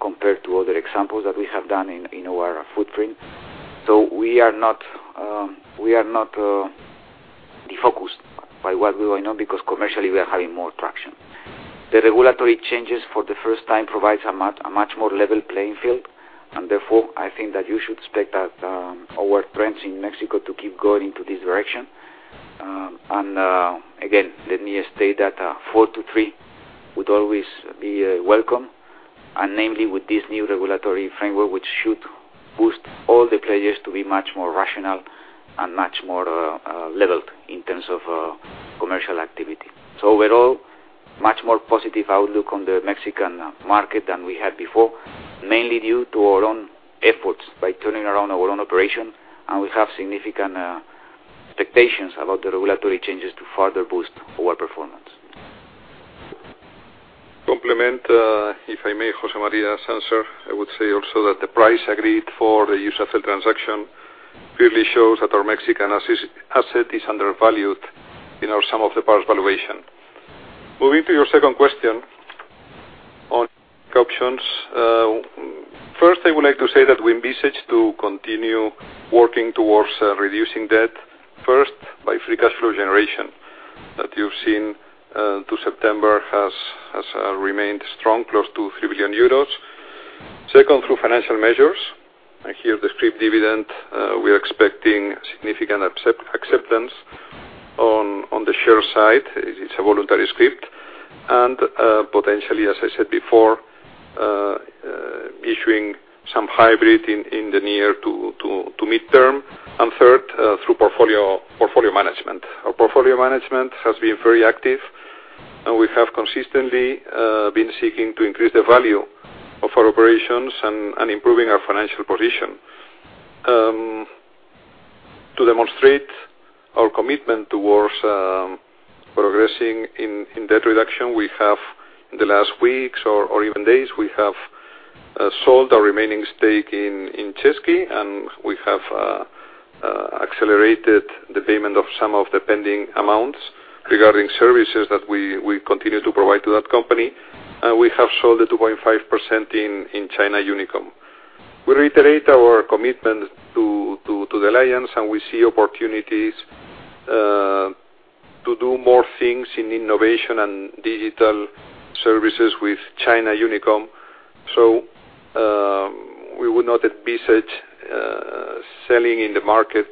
compared to other examples that we have done in our footprint. We are not defocused by what we know because commercially, we are having more traction. The regulatory changes for the first time provides a much more level playing field, I think that you should expect that our trends in Mexico to keep going into this direction. Let me state that four to three would always be welcome, namely with this new regulatory framework, which should boost all the players to be much more rational and much more leveled in terms of commercial activity. Much more positive outlook on the Mexican market than we had before, mainly due to our own efforts by turning around our own operation, we have significant expectations about the regulatory changes to further boost our performance. Complement, if I may, José María's answer. I would say also that the price agreed for the Iusacell transaction clearly shows that our Mexican asset is undervalued in our sum of the parts valuation. Moving to your second question on options. First, I would like to say that we envisage to continue working towards reducing debt. First, by free cash flow generation that you've seen to September has remained strong, close to 3 billion euros. Second, through financial measures. Here, the scrip dividend, we are expecting significant acceptance on the share side. It's a voluntary scrip. Potentially, as I said before, issuing some hybrid in the near to midterm. Third, through portfolio management. Our portfolio management has been very active, and we have consistently been seeking to increase the value of our operations and improving our financial position. To demonstrate our commitment towards progressing in debt reduction, in the last weeks or even days, we have sold our remaining stake in Český, we have accelerated the payment of some of the pending amounts regarding services that we continue to provide to that company. We have sold a 2.5% in China Unicom. We reiterate our commitment to the alliance. We see opportunities to do more things in innovation and digital services with China Unicom. We would not envisage selling in the market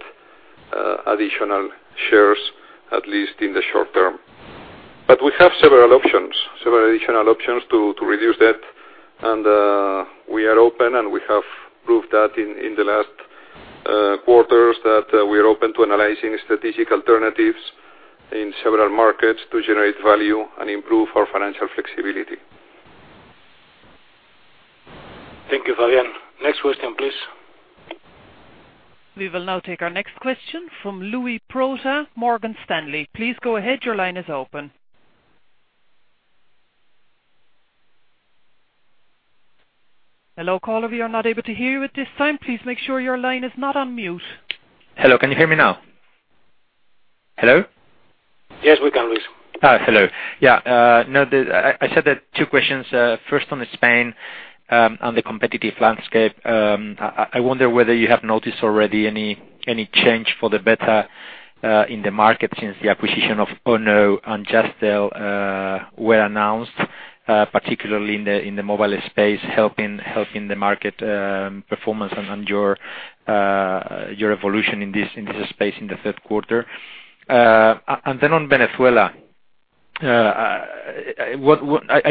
additional shares, at least in the short term. We have several additional options to reduce debt. We are open, and we have proved that in the last quarters, that we are open to analyzing strategic alternatives in several markets to generate value and improve our financial flexibility. Thank you, Fabián. Next question, please. We will now take our next question from Luis Prota, Morgan Stanley. Please go ahead. Your line is open. Hello, caller. We are not able to hear you at this time. Please make sure your line is not on mute. Hello, can you hear me now? Hello? Yes, we can, Luis. Hello. I said that two questions. First, on Spain, on the competitive landscape. I wonder whether you have noticed already any change for the better in the market since the acquisition of ONO and Jazztel were announced, particularly in the mobile space, helping the market performance and your evolution in this space in the third quarter. On Venezuela, I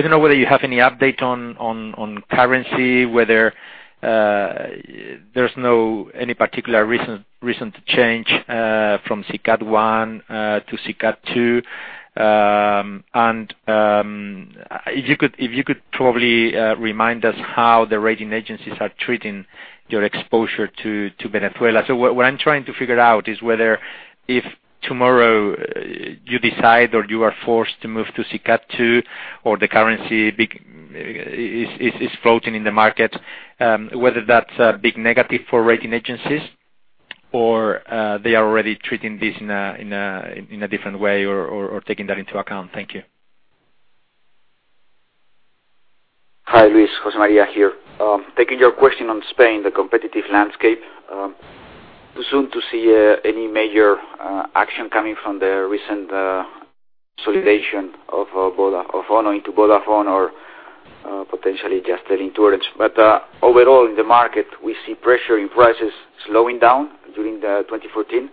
don't know whether you have any update on currency, whether there's any particular recent change from SICAD 1 to SICAD 2. If you could probably remind us how the rating agencies are treating your exposure to Venezuela. What I'm trying to figure out is whether if tomorrow you decide, or you are forced to move to SICAD 2, or the currency is floating in the market, whether that's a big negative for rating agencies, or they are already treating this in a different way or taking that into account. Thank you. Hi, Luis. José María here. Taking your question on Spain, the competitive landscape. Too soon to see any major action coming from the recent consolidation of ONO into Vodafone or potentially Jazztel into Orange. Overall, in the market, we see pressure in prices slowing down during 2014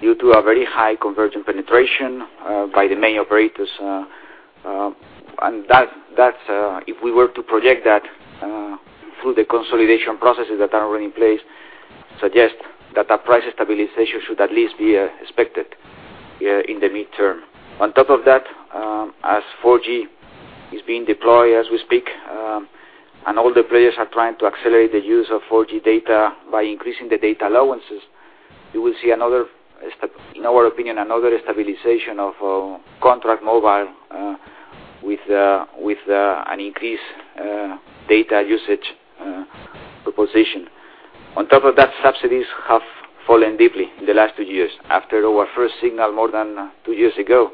due to a very high convergent penetration by the main operators. If we were to project that through the consolidation processes that are already in place, suggest that a price stabilization should at least be expected in the midterm. On top of that, as 4G is being deployed, as we speak, and all the players are trying to accelerate the use of 4G data by increasing the data allowances, you will see, in our opinion, another stabilization of contract mobile with an increased data usage proposition. On top of that, subsidies have fallen deeply in the last 2 years. After our first signal, more than 2 years ago,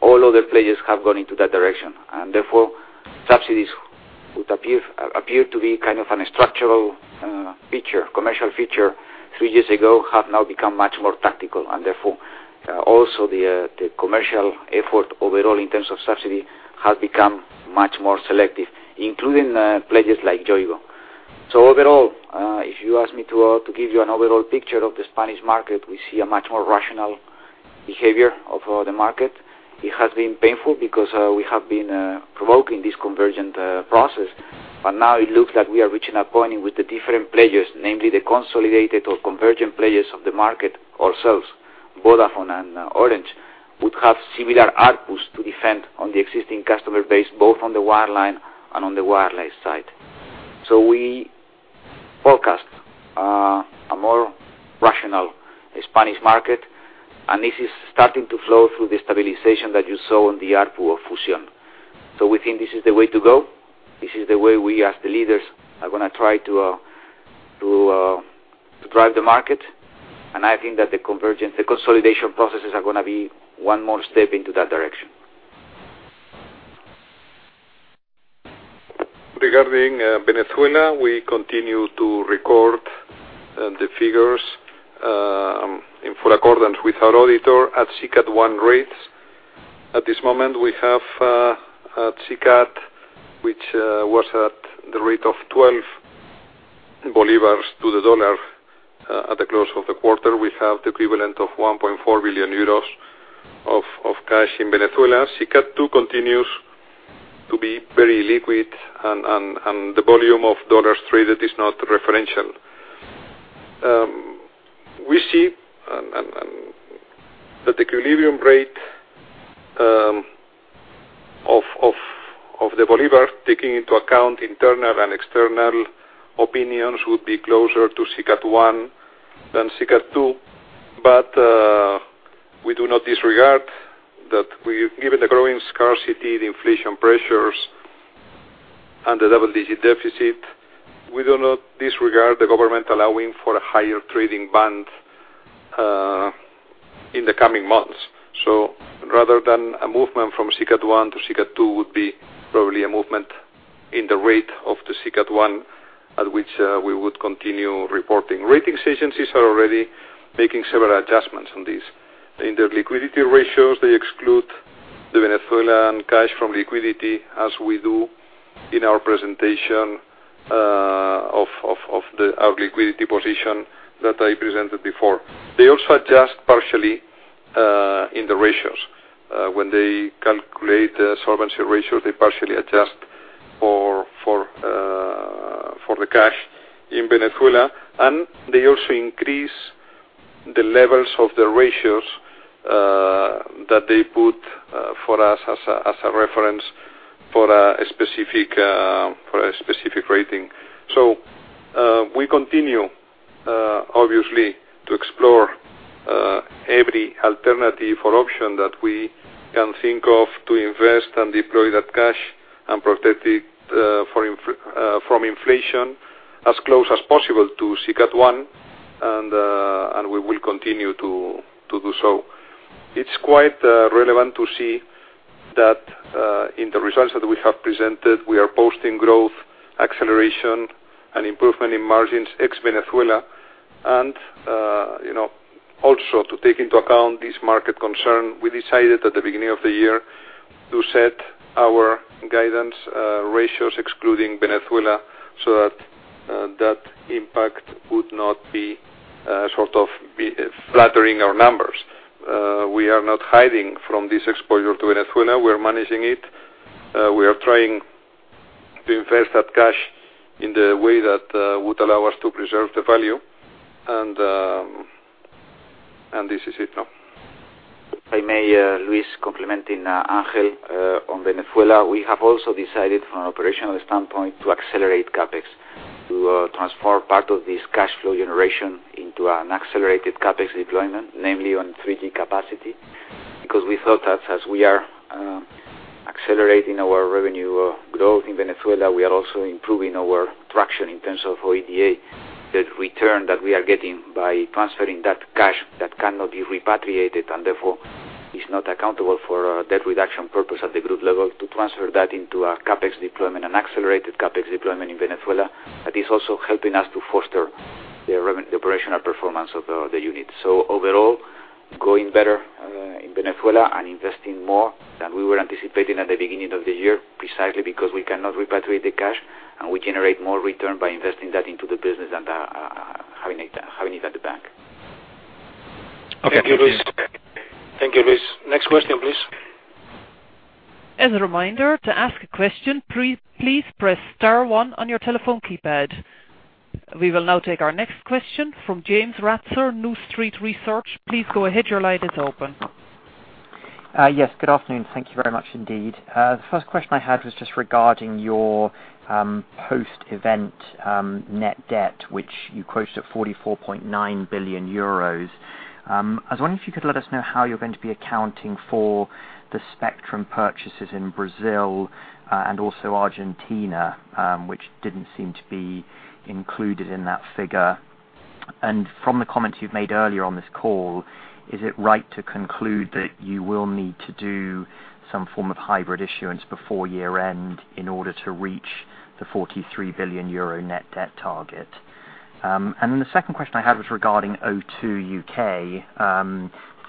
all other players have gone into that direction. Therefore, subsidies, which appeared to be a structural commercial feature 3 years ago, have now become much more tactical. Therefore, also the commercial effort overall in terms of subsidy has become much more selective, including players like Yoigo. Overall, if you ask me to give you an overall picture of the Spanish market, we see a much more rational behavior of the market. It has been painful because we have been provoking this convergent process. Now it looks like we are reaching a point with the different players, namely the consolidated or convergent players of the market ourselves, Vodafone and Orange, would have similar ARPU to defend on the existing customer base, both on the wireline and on the wireless side. We forecast a more rational Spanish market, and this is starting to flow through the stabilization that you saw on the ARPU of Fusión. We think this is the way to go. This is the way we, as the leaders, are going to try to drive the market, and I think that the consolidation processes are going to be one more step into that direction. Regarding Venezuela, we continue to record the figures in full accordance with our auditor at SICAD 1 rates. At this moment, we have SICAD, which was at the rate of 12 bolivars to the dollar at the close of the quarter. We have the equivalent of 1.4 billion euros of cash in Venezuela. SICAD 2 continues to be very liquid, and the volume of dollars traded is not referential. We see that the equilibrium rate of the bolivar, taking into account internal and external opinions, would be closer to SICAD 1 than SICAD 2. We do not disregard that given the growing scarcity, the inflation pressures, and the double-digit deficit, we do not disregard the government allowing for a higher trading band in the coming months. Rather than a movement from SICAD 1 to SICAD 2, would be probably a movement in the rate of the SICAD 1, at which we would continue reporting. Ratings agencies are already making several adjustments on this. In their liquidity ratios, they exclude the Venezuelan cash from liquidity as we do in our presentation of our liquidity position that I presented before. They also adjust partially in the ratios. When they calculate the solvency ratio, they partially adjust for the cash in Venezuela, and they also increase the levels of the ratios that they put for us as a reference for a specific rating. We continue, obviously, to explore every alternative or option that we can think of to invest and deploy that cash and protect it from inflation as close as possible to SICAD 1, and we will continue to do so. It's quite relevant to see that in the results that we have presented, we are posting growth, acceleration, and improvement in margins ex Venezuela. Also to take into account this market concern, we decided at the beginning of the year to set our guidance ratios excluding Venezuela, so that that impact would not be flattering our numbers. We are not hiding from this exposure to Venezuela. We're managing it. We are trying to invest that cash in the way that would allow us to preserve the value. This is it now. If I may, Luis, complementing Ángel on Venezuela. We have also decided from an operational standpoint to accelerate CapEx to transform part of this cash flow generation into an accelerated CapEx deployment, namely on 3G capacity. We thought that as we are accelerating our revenue growth in Venezuela, we are also improving our traction in terms of OIBDA, the return that we are getting by transferring that cash that cannot be repatriated, and therefore is not accountable for debt reduction purpose at the group level, to transfer that into a CapEx deployment, an accelerated CapEx deployment in Venezuela. That is also helping us to foster the operational performance of the unit. Overall, it's going better in Venezuela and investing more than we were anticipating at the beginning of the year, precisely because we cannot repatriate the cash, and we generate more return by investing that into the business than having it at the bank. Thank you, Luis. Next question, please. As a reminder, to ask a question, please press star one on your telephone keypad. We will now take our next question from James Ratzer, New Street Research. Please go ahead. Your line is open. Yes, good afternoon. Thank you very much indeed. The first question I had was just regarding your post-event net debt, which you quoted at 44.9 billion euros. I was wondering if you could let us know how you're going to be accounting for the spectrum purchases in Brazil and also Argentina, which didn't seem to be included in that figure. From the comments you've made earlier on this call, is it right to conclude that you will need to do some form of hybrid issuance before year-end in order to reach the 43 billion euro net debt target? The second question I had was regarding O2 U.K.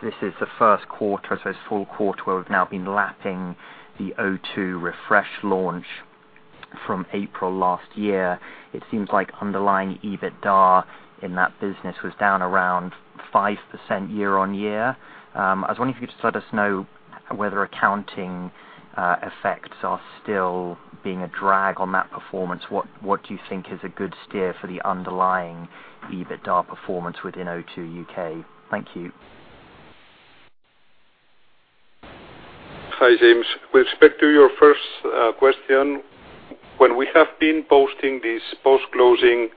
This is the first quarter, so it's full quarter. We've now been lapping the O2 Refresh launch from April last year. It seems like underlying EBITDA in that business was down around 5% year-on-year. I was wondering if you could just let us know whether accounting effects are still being a drag on that performance. What do you think is a good steer for the underlying EBITDA performance within O2 U.K.? Thank you. Hi, James. With respect to your first question, when we have been posting these post-closing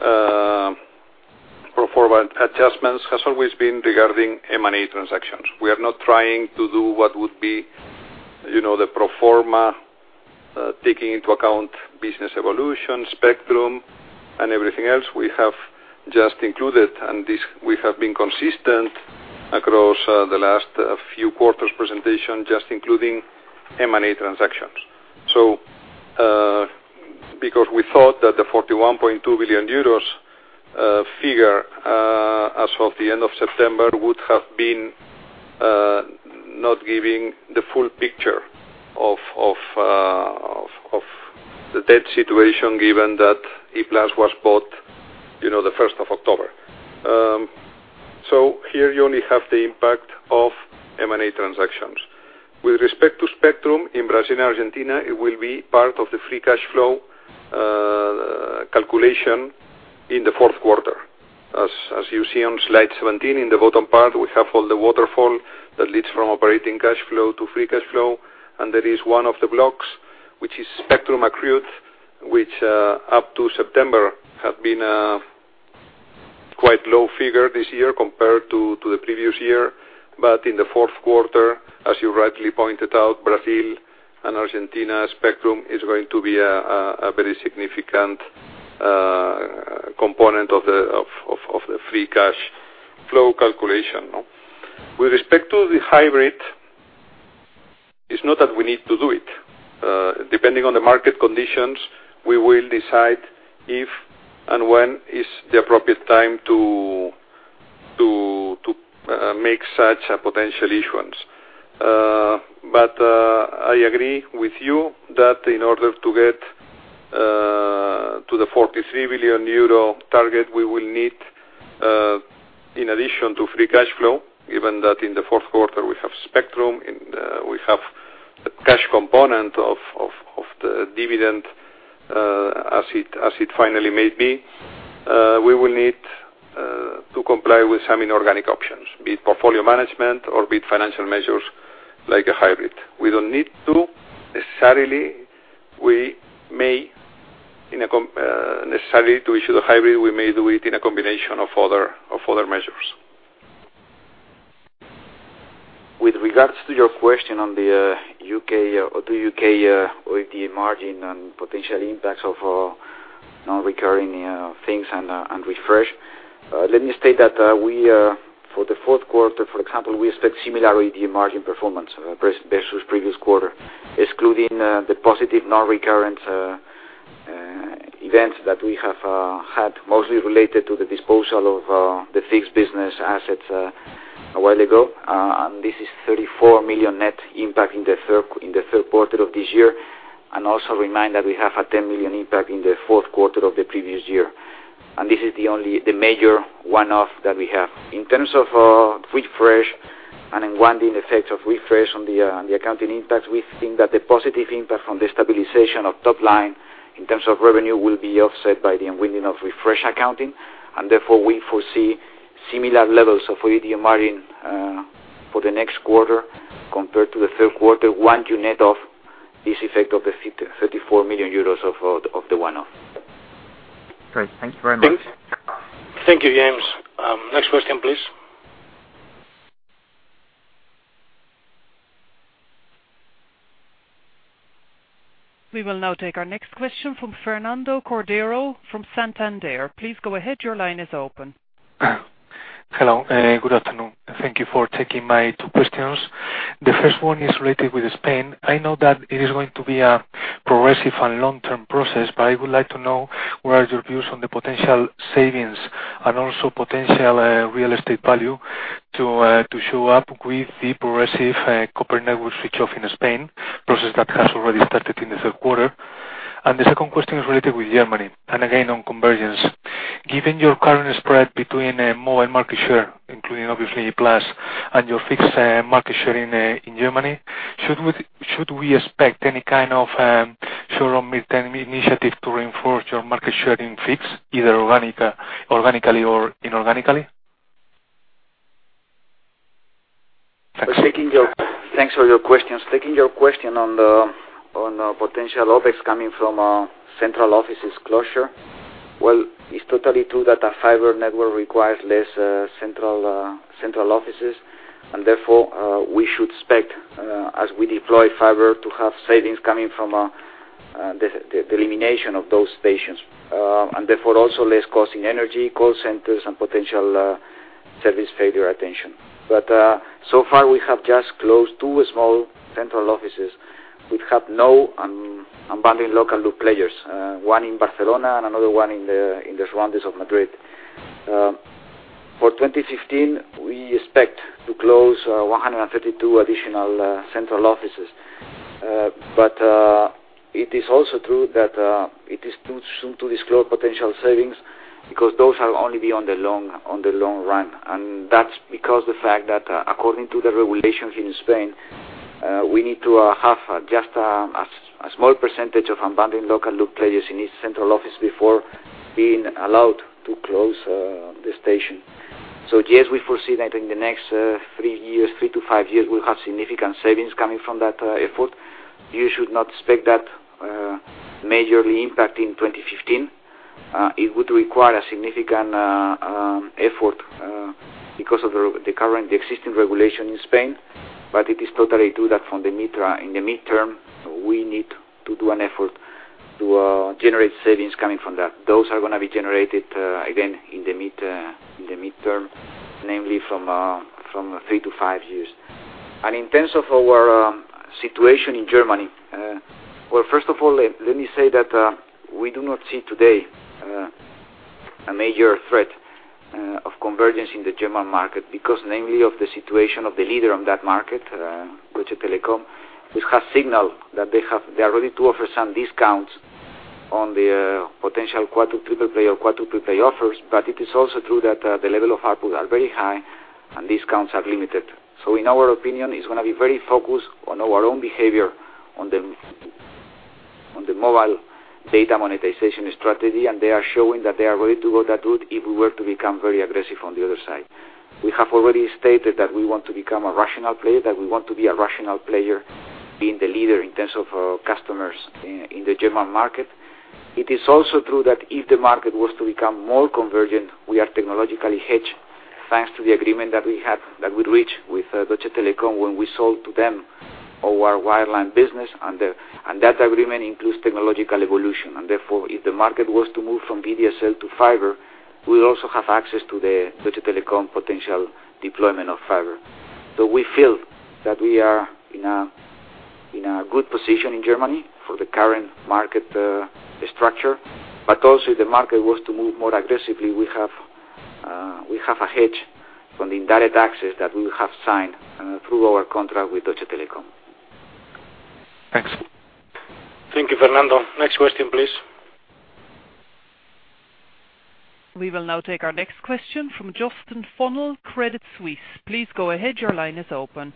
pro forma adjustments, has always been regarding M&A transactions. We are not trying to do what would be the pro forma, taking into account business evolution, spectrum, and everything else. We have just included, and we have been consistent across the last few quarters presentation, just including M&A transactions. Because we thought that the 41.2 billion euros figure as of the end of September would have been not giving the full picture of the debt situation, given that E-Plus was bought the 1st of October. Here you only have the impact of M&A transactions. With respect to spectrum in Brazil and Argentina, it will be part of the free cash flow calculation in the fourth quarter. As you see on slide 17, in the bottom part, we have all the waterfall that leads from operating cash flow to free cash flow, and there is one of the blocks, which is spectrum accrued Which up to September have been a quite low figure this year compared to the previous year. In the fourth quarter, as you rightly pointed out, Brazil and Argentina spectrum is going to be a very significant component of the free cash flow calculation. With respect to the hybrid, it's not that we need to do it. Depending on the market conditions, we will decide if and when is the appropriate time to make such potential issuance. I agree with you that in order to get to the 43 billion euro target, we will need, in addition to free cash flow, given that in the fourth quarter we have spectrum and we have the cash component of the dividend as it finally may be, we will need to comply with some inorganic options, be it portfolio management or be it financial measures like a hybrid. We don't need to necessarily. We may, necessarily to issue the hybrid, we may do it in a combination of other measures. With regards to your question on the U.K., or the U.K. OIBDA margin and potential impacts of non-recurring things and refresh. Let me state that for the fourth quarter, for example, we expect similar OIBDA margin performance versus previous quarter, excluding the positive non-recurrent events that we have had, mostly related to the disposal of the fixed business assets a while ago. This is 34 million net impact in the third quarter of this year. Also remind that we have a 10 million impact in the fourth quarter of the previous year. This is the major one-off that we have. In terms of Refresh and unwinding effects of Refresh on the accounting impact, we think that the positive impact from the stabilization of top line in terms of revenue will be offset by the unwinding of Refresh accounting, and therefore we foresee similar levels of OIBDA margin for the next quarter compared to the third quarter, one unit of this effect of the 34 million euros of the one-off. Great. Thank you very much. Thank you, James. Next question, please. We will now take our next question from Fernando Cordero from Santander. Please go ahead. Your line is open. Hello, good afternoon. Thank you for taking my 2 questions. The first one is related with Spain. I know that it is going to be a progressive and long-term process, but I would like to know what are your views on the potential savings and also potential real estate value to show up with the progressive copper network switch off in Spain. Process that has already started in the third quarter. The second question is related with Germany, and again, on convergence. Given your current spread between mobile market share, including obviously Plus, and your fixed market share in Germany, should we expect any kind of short or midterm initiative to reinforce your market share in fixed, either organically or inorganically? Thanks for your questions. Taking your question on the potential OpEx coming from central offices closure. It's totally true that a fiber network requires less central offices, and therefore, we should expect, as we deploy fiber, to have savings coming from the elimination of those stations. Therefore, also less cost in energy, call centers, and potential service failure attention. So far, we have just closed 2 small central offices which have no unbundled local loop players, one in Barcelona and another one in the surroundings of Madrid. For 2015, we expect to close 132 additional central offices. It is also true that it is too soon to disclose potential savings because those are only beyond the long run. That's because the fact that according to the regulations in Spain, we need to have just a small percentage of unbundled local loop players in each central office before being allowed to close the station. Yes, we foresee that in the next 3 to 5 years, we'll have significant savings coming from that effort. You should not expect that majorly impact in 2015. It would require a significant effort because of the current existing regulation in Spain, but it is totally true that in the midterm, we need to do an effort to generate savings coming from that. Those are going to be generated again in the midterm, namely from 3 to 5 years. In terms of our situation in Germany, first of all, let me say that we do not see today a major threat of convergence in the German market because namely of the situation of the leader on that market, Deutsche Telekom, which has signaled that they are ready to offer some discounts on the potential triple play or quadruple play offers. It is also true that the level of ARPU are very high and discounts are limited. In our opinion, it's going to be very focused on our own behavior on the mobile data monetization strategy, and they are showing that they are ready to go that route if we were to become very aggressive on the other side. We have already stated that we want to become a rational player, that we want to be a rational player, being the leader in terms of our customers in the German market. It is also true that if the market was to become more convergent, we are technologically hedged, thanks to the agreement that we reached with Deutsche Telekom when we sold to them our wireline business, and that agreement includes technological evolution. Therefore, if the market was to move from VDSL to fiber, we'll also have access to the Deutsche Telekom potential deployment of fiber. We feel that we are in a good position in Germany for the current market structure, but also if the market was to move more aggressively, we have a hedge from the indirect access that we have signed through our contract with Deutsche Telekom. Thanks. Thank you, Fernando. Next question, please. We will now take our next question from Justin Funnell, Credit Suisse. Please go ahead. Your line is open.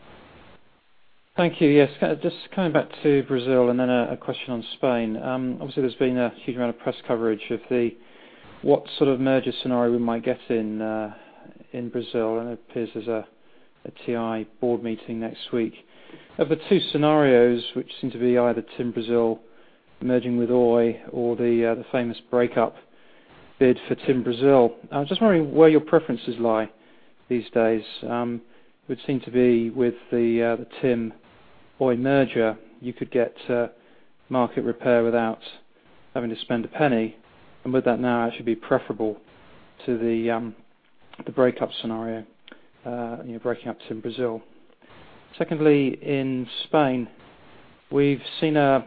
Thank you. Yes. Just coming back to Brazil and then a question on Spain. Obviously, there's been a huge amount of press coverage of what sort of merger scenario we might get in Brazil, and it appears there's a TI board meeting next week. Of the two scenarios, which seem to be either TIM Brasil merging with Oi or the famous breakup bid for TIM Brasil, I'm just wondering where your preferences lie these days. Would seem to be with the TIM-Oi merger, you could get market repair without having to spend a penny, and would that now actually be preferable to the breakup scenario, breaking up TIM Brasil. Secondly, in Spain, we've seen a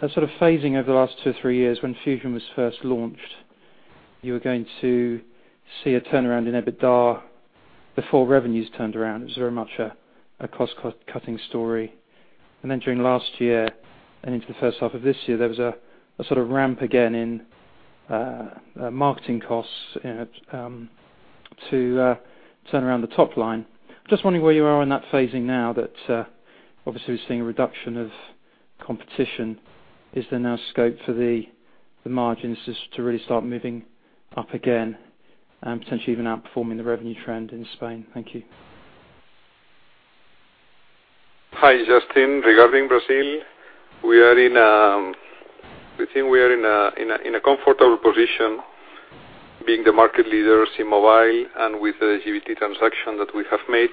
sort of phasing over the last two, three years when Fusión was first launched. You were going to see a turnaround in EBITDA before revenues turned around. It was very much a cost-cutting story. During last year and into the first half of this year, there was a sort of ramp again in marketing costs to turn around the top line. I'm just wondering where you are in that phasing now that obviously we're seeing a reduction of competition. Is there now scope for the margins just to really start moving up again and potentially even outperforming the revenue trend in Spain? Thank you. Hi, Justin. Regarding Brazil, we think we are in a comfortable position being the market leader in mobile and with the GVT transaction that we have made.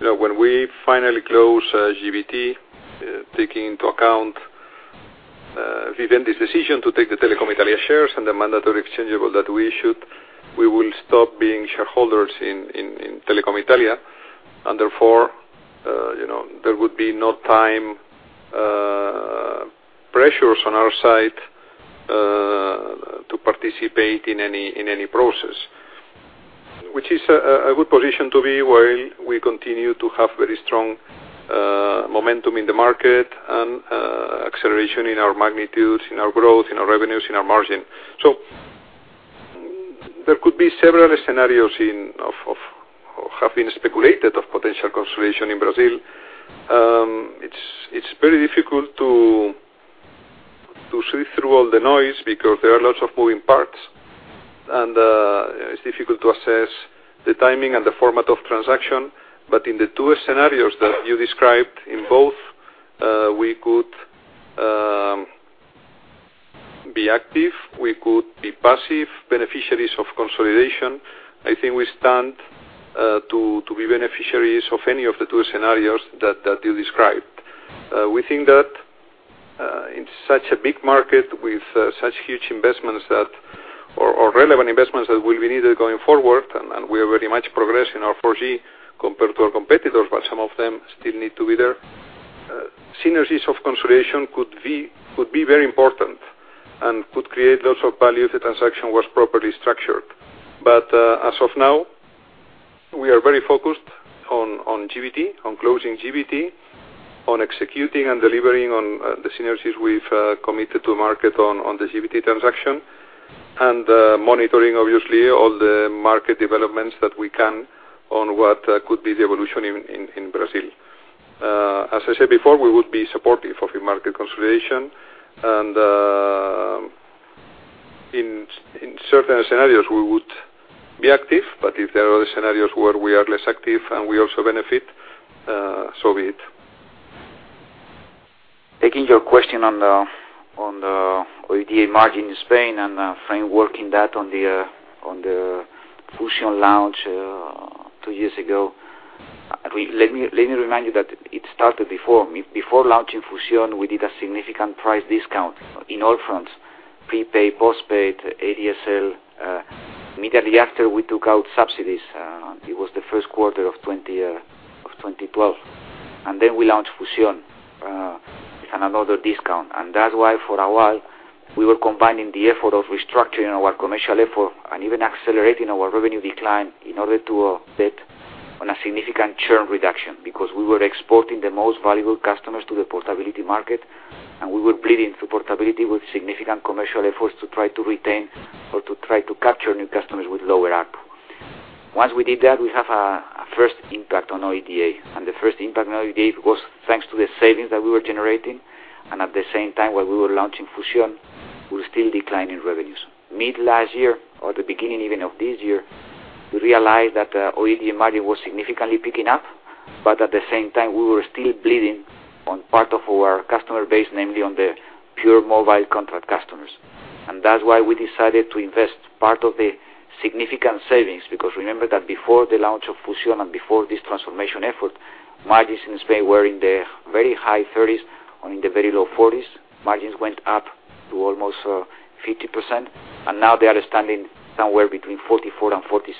When we finally close GVT, taking into account Vivendi's decision to take the Telecom Italia shares and the mandatory exchangeable that we issued, we will stop being shareholders in Telecom Italia. Therefore, there would be no time pressures on our side to participate in any process, which is a good position to be while we continue to have very strong momentum in the market and acceleration in our magnitudes, in our growth, in our revenues, in our margin. There could be several scenarios have been speculated of potential consolidation in Brazil. It's very difficult to sift through all the noise because there are lots of moving parts, and it's difficult to assess the timing and the format of transaction. In the two scenarios that you described, in both, we could be active, we could be passive beneficiaries of consolidation. I think we stand to be beneficiaries of any of the two scenarios that you described. We think that in such a big market with such huge investments or relevant investments that will be needed going forward, we are very much progressing our 4G compared to our competitors, while some of them still need to be there. Synergies of consolidation could be very important and could create lots of value if the transaction was properly structured. As of now, we are very focused on GVT, on closing GVT, on executing and delivering on the synergies we've committed to market on the GVT transaction, and monitoring, obviously, all the market developments that we can on what could be the evolution in Brazil. As I said before, we would be supportive of a market consolidation, in certain scenarios, we would be active, if there are other scenarios where we are less active and we also benefit, so be it. Taking your question on the OIBDA margin in Spain and framework in that on the Fusión launch 2 years ago, let me remind you that it started before. Before launching Fusión, we did a significant price discount in all fronts, prepaid, postpaid, ADSL. Immediately after, we took out subsidies. It was the first quarter of 2012. Then we launched Fusión and another discount. That's why for a while, we were combining the effort of restructuring our commercial effort and even accelerating our revenue decline in order to bet on a significant churn reduction, because we were exporting the most valuable customers to the portability market, and we were bleeding through portability with significant commercial efforts to try to retain or to try to capture new customers with lower ARPU. Once we did that, we have a first impact on OIBDA. The first impact on OIBDA was thanks to the savings that we were generating. At the same time, while we were launching Fusión, we were still declining revenues. Mid last year or the beginning even of this year, we realized that OIBDA margin was significantly picking up. At the same time, we were still bleeding on part of our customer base, namely on the pure mobile contract customers. That's why we decided to invest part of the significant savings, because remember that before the launch of Fusión and before this transformation effort, margins in Spain were in the very high 30s or in the very low 40s. Margins went up to almost 50%, and now they are standing somewhere between 44% and 46%.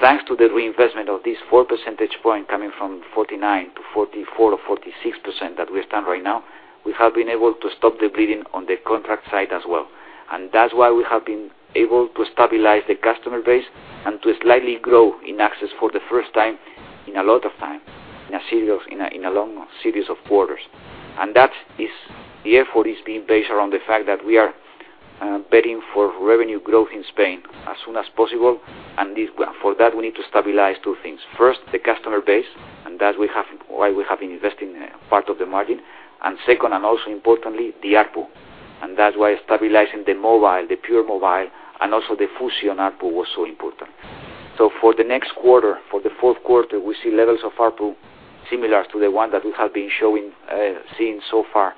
Thanks to the reinvestment of this 4 percentage point coming from 49% to 44% or 46% that we stand right now, we have been able to stop the bleeding on the contract side as well. That's why we have been able to stabilize the customer base and to slightly grow in access for the first time in a lot of time, in a long series of quarters. The effort is being based around the fact that we are betting for revenue growth in Spain as soon as possible, and for that, we need to stabilize two things. First, the customer base, and that's why we have been investing part of the margin. Second, and also importantly, the ARPU. That's why stabilizing the mobile, the pure mobile, and also the Fusión ARPU was so important. For the next quarter, for the fourth quarter, we see levels of ARPU similar to the one that we have been seeing so far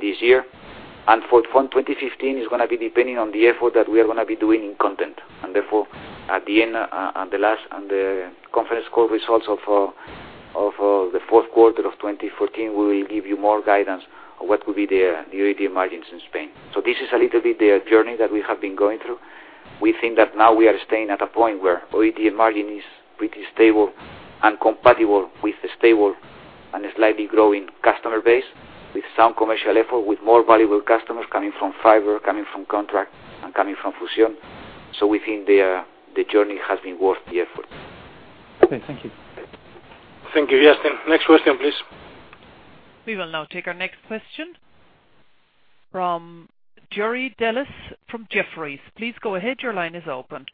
this year. For 2015, it's going to be depending on the effort that we are going to be doing in content. Therefore, at the end, on the last, on the conference call results of the fourth quarter of 2014, we will give you more guidance on what will be the OIBDA margins in Spain. This is a little bit the journey that we have been going through. We think that now we are staying at a point where OIBDA margin is pretty stable and compatible with a stable and a slightly growing customer base with some commercial effort, with more valuable customers coming from fiber, coming from contract, and coming from Fusión. We think the journey has been worth the effort. Okay, thank you. Thank you, Justin. Next question, please. We will now take our next question from Jerry Dellis from Jefferies. Please go ahead. Your line is open.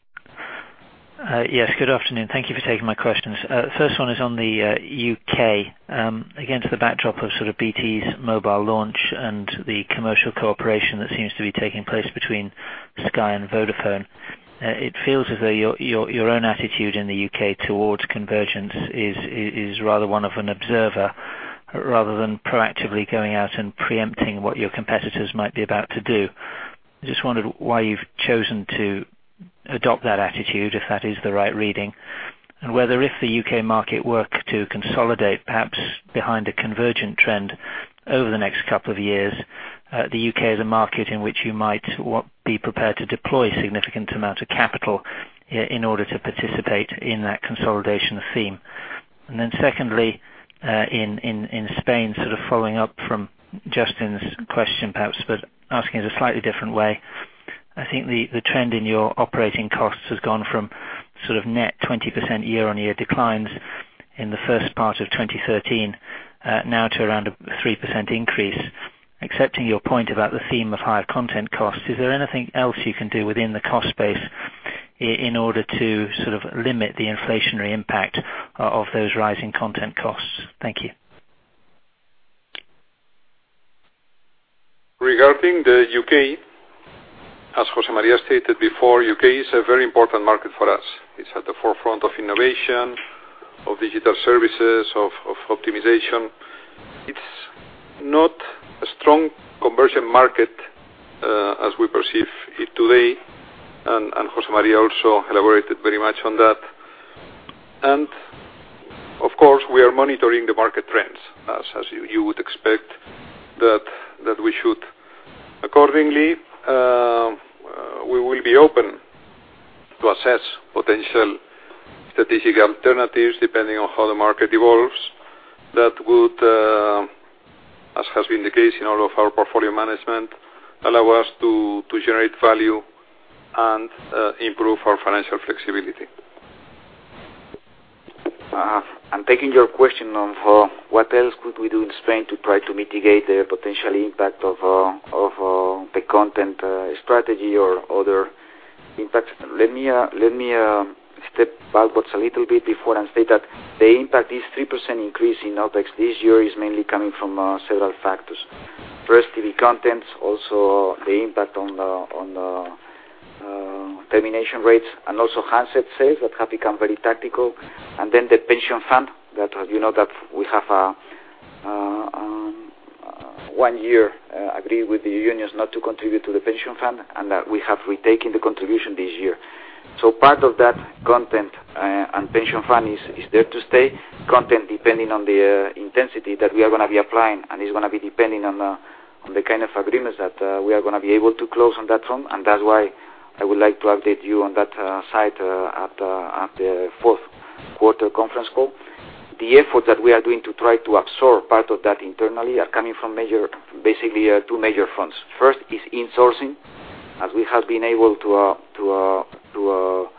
Yes, good afternoon. Thank you for taking my questions. First one is on the U.K. Again, to the backdrop of sort of BT's mobile launch and the commercial cooperation that seems to be taking place between Sky and Vodafone. It feels as though your own attitude in the U.K. towards convergence is rather one of an observer rather than proactively going out and preempting what your competitors might be about to do. Just wondered why you've chosen to adopt that attitude, if that is the right reading, and whether if the U.K. market were to consolidate, perhaps behind a convergent trend over the next couple of years, the U.K. is a market in which you might be prepared to deploy significant amount of capital in order to participate in that consolidation theme. Secondly, in Spain, sort of following up from Justin's question, perhaps, but asking it a slightly different way. I think the trend in your operating costs has gone from net 20% year-on-year declines in the first part of 2013 now to around a 3% increase. Accepting your point about the theme of higher content costs, is there anything else you can do within the cost base in order to limit the inflationary impact of those rising content costs? Thank you. Regarding the U.K., as José María stated before, U.K. is a very important market for us. It's at the forefront of innovation, of digital services, of optimization. It's not a strong convergent market as we perceive it today, and José María also elaborated very much on that. Of course, we are monitoring the market trends as you would expect that we should. Accordingly, we will be open to assess potential strategic alternatives depending on how the market evolves. That would, as has been the case in all of our portfolio management, allow us to generate value and improve our financial flexibility. Taking your question on what else could we do in Spain to try to mitigate the potential impact of the content strategy or other impact. Let me step backwards a little bit before and state that the impact, this 3% increase in OpEx this year is mainly coming from several factors. First, TV contents, also the impact on the termination rates, also handset sales that have become very tactical. The pension fund that you know that we have one year agreed with the unions not to contribute to the pension fund, and that we have retaken the contribution this year. Part of that content and pension fund is there to stay. Content depending on the intensity that we are going to be applying, is going to be depending on the kind of agreements that we are going to be able to close on that front, that's why I would like to update you on that side at the fourth quarter conference call. The effort that we are doing to try to absorb part of that internally are coming from basically two major fronts. First is insourcing, as we have been able to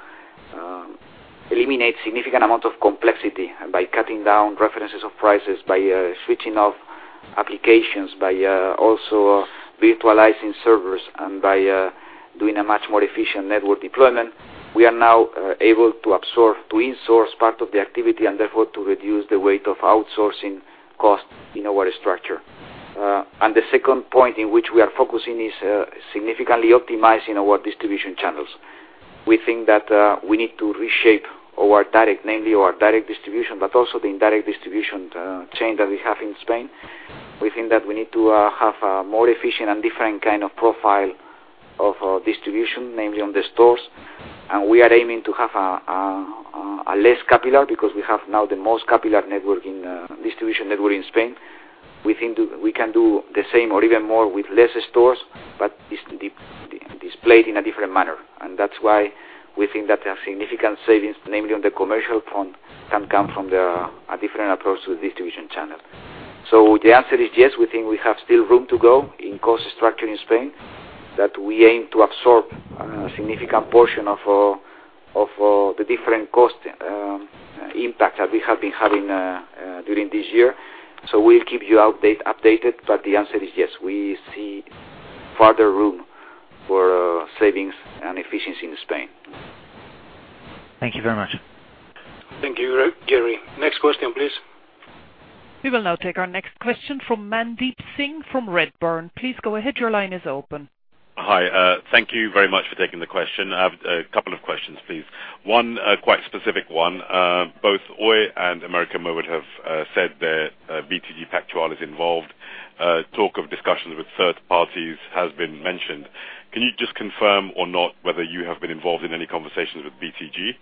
eliminate significant amount of complexity by cutting down references of prices, by switching off applications by also virtualizing servers and by doing a much more efficient network deployment. We are now able to in-source part of the activity and therefore to reduce the weight of outsourcing costs in our structure. The second point in which we are focusing is significantly optimizing our distribution channels. We think that we need to reshape our direct distribution, but also the indirect distribution chain that we have in Spain. We think that we need to have a more efficient and different kind of profile of distribution, mainly on the stores. We are aiming to have a less capillary because we have now the most capillary distribution network in Spain. We think we can do the same or even more with less stores, but displayed in a different manner. That's why we think that a significant savings, namely on the commercial front, can come from a different approach to the distribution channel. The answer is yes. We think we have still room to go in cost structure in Spain, that we aim to absorb a significant portion of the different cost impact that we have been having during this year. We'll keep you updated, but the answer is yes. We see further room for savings and efficiency in Spain. Thank you very much. Thank you, Jerry. Next question, please. We will now take our next question from Mandeep Singh from Redburn. Please go ahead. Your line is open. Hi. Thank you very much for taking the question. I have a couple of questions, please. One quite specific one. Both Oi and América Móvil have said that BTG Pactual is involved. Talk of discussions with third parties has been mentioned. Can you just confirm or not whether you have been involved in any conversations with BTG?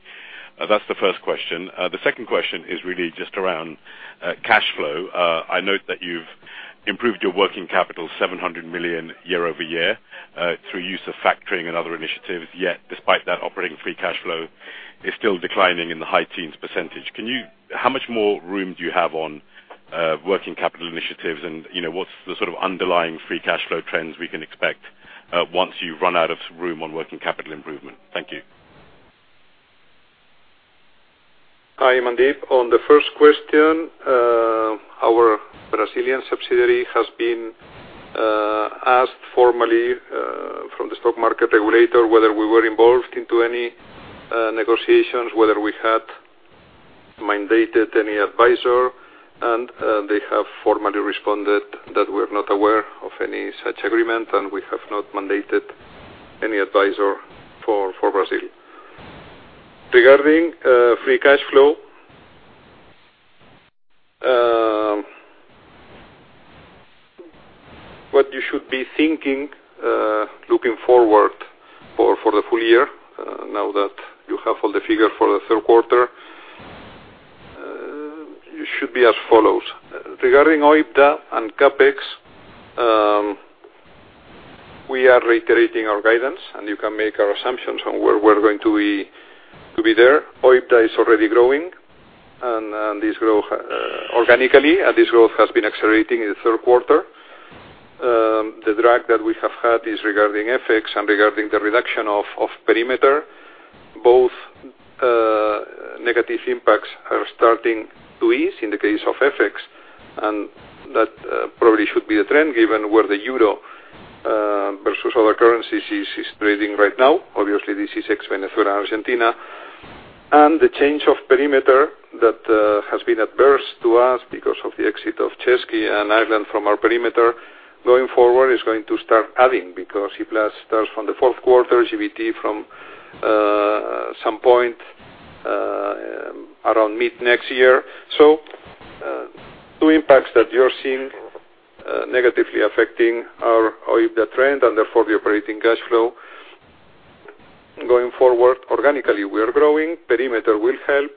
That's the first question. The second question is really just around cash flow. I note that you've improved your working capital 700 million year-over-year through use of factoring and other initiatives. Yet despite that operating free cash flow is still declining in the high teens %. How much more room do you have on working capital initiatives? What's the sort of underlying free cash flow trends we can expect once you run out of room on working capital improvement? Thank you. Hi, Mandeep. On the first question, our Brazilian subsidiary has been asked formally from the stock market regulator whether we were involved into any negotiations, whether we had mandated any advisor, they have formally responded that we're not aware of any such agreement, we have not mandated any advisor for Brazil. Regarding free cash flow, what you should be thinking looking forward for the full year, now that you have all the figures for the third quarter, it should be as follows. Regarding OIBDA and CapEx, we are reiterating our guidance, you can make our assumptions on where we're going to be there. OIBDA is already growing organically, this growth has been accelerating in the third quarter. The drag that we have had is regarding FX and regarding the reduction of perimeter. Both negative impacts are starting to ease in the case of FX. That probably should be the trend given where the euro versus other currencies is trading right now. Obviously, this is ex Venezuela, Argentina. The change of perimeter that has been adverse to us because of the exit of Czechia and Ireland from our perimeter going forward is going to start adding because E-Plus starts from the fourth quarter, GVT from some point around mid-next year. Two impacts that you're seeing negatively affecting our OIBDA trend and therefore the operating cash flow. Going forward organically, we are growing, perimeter will help,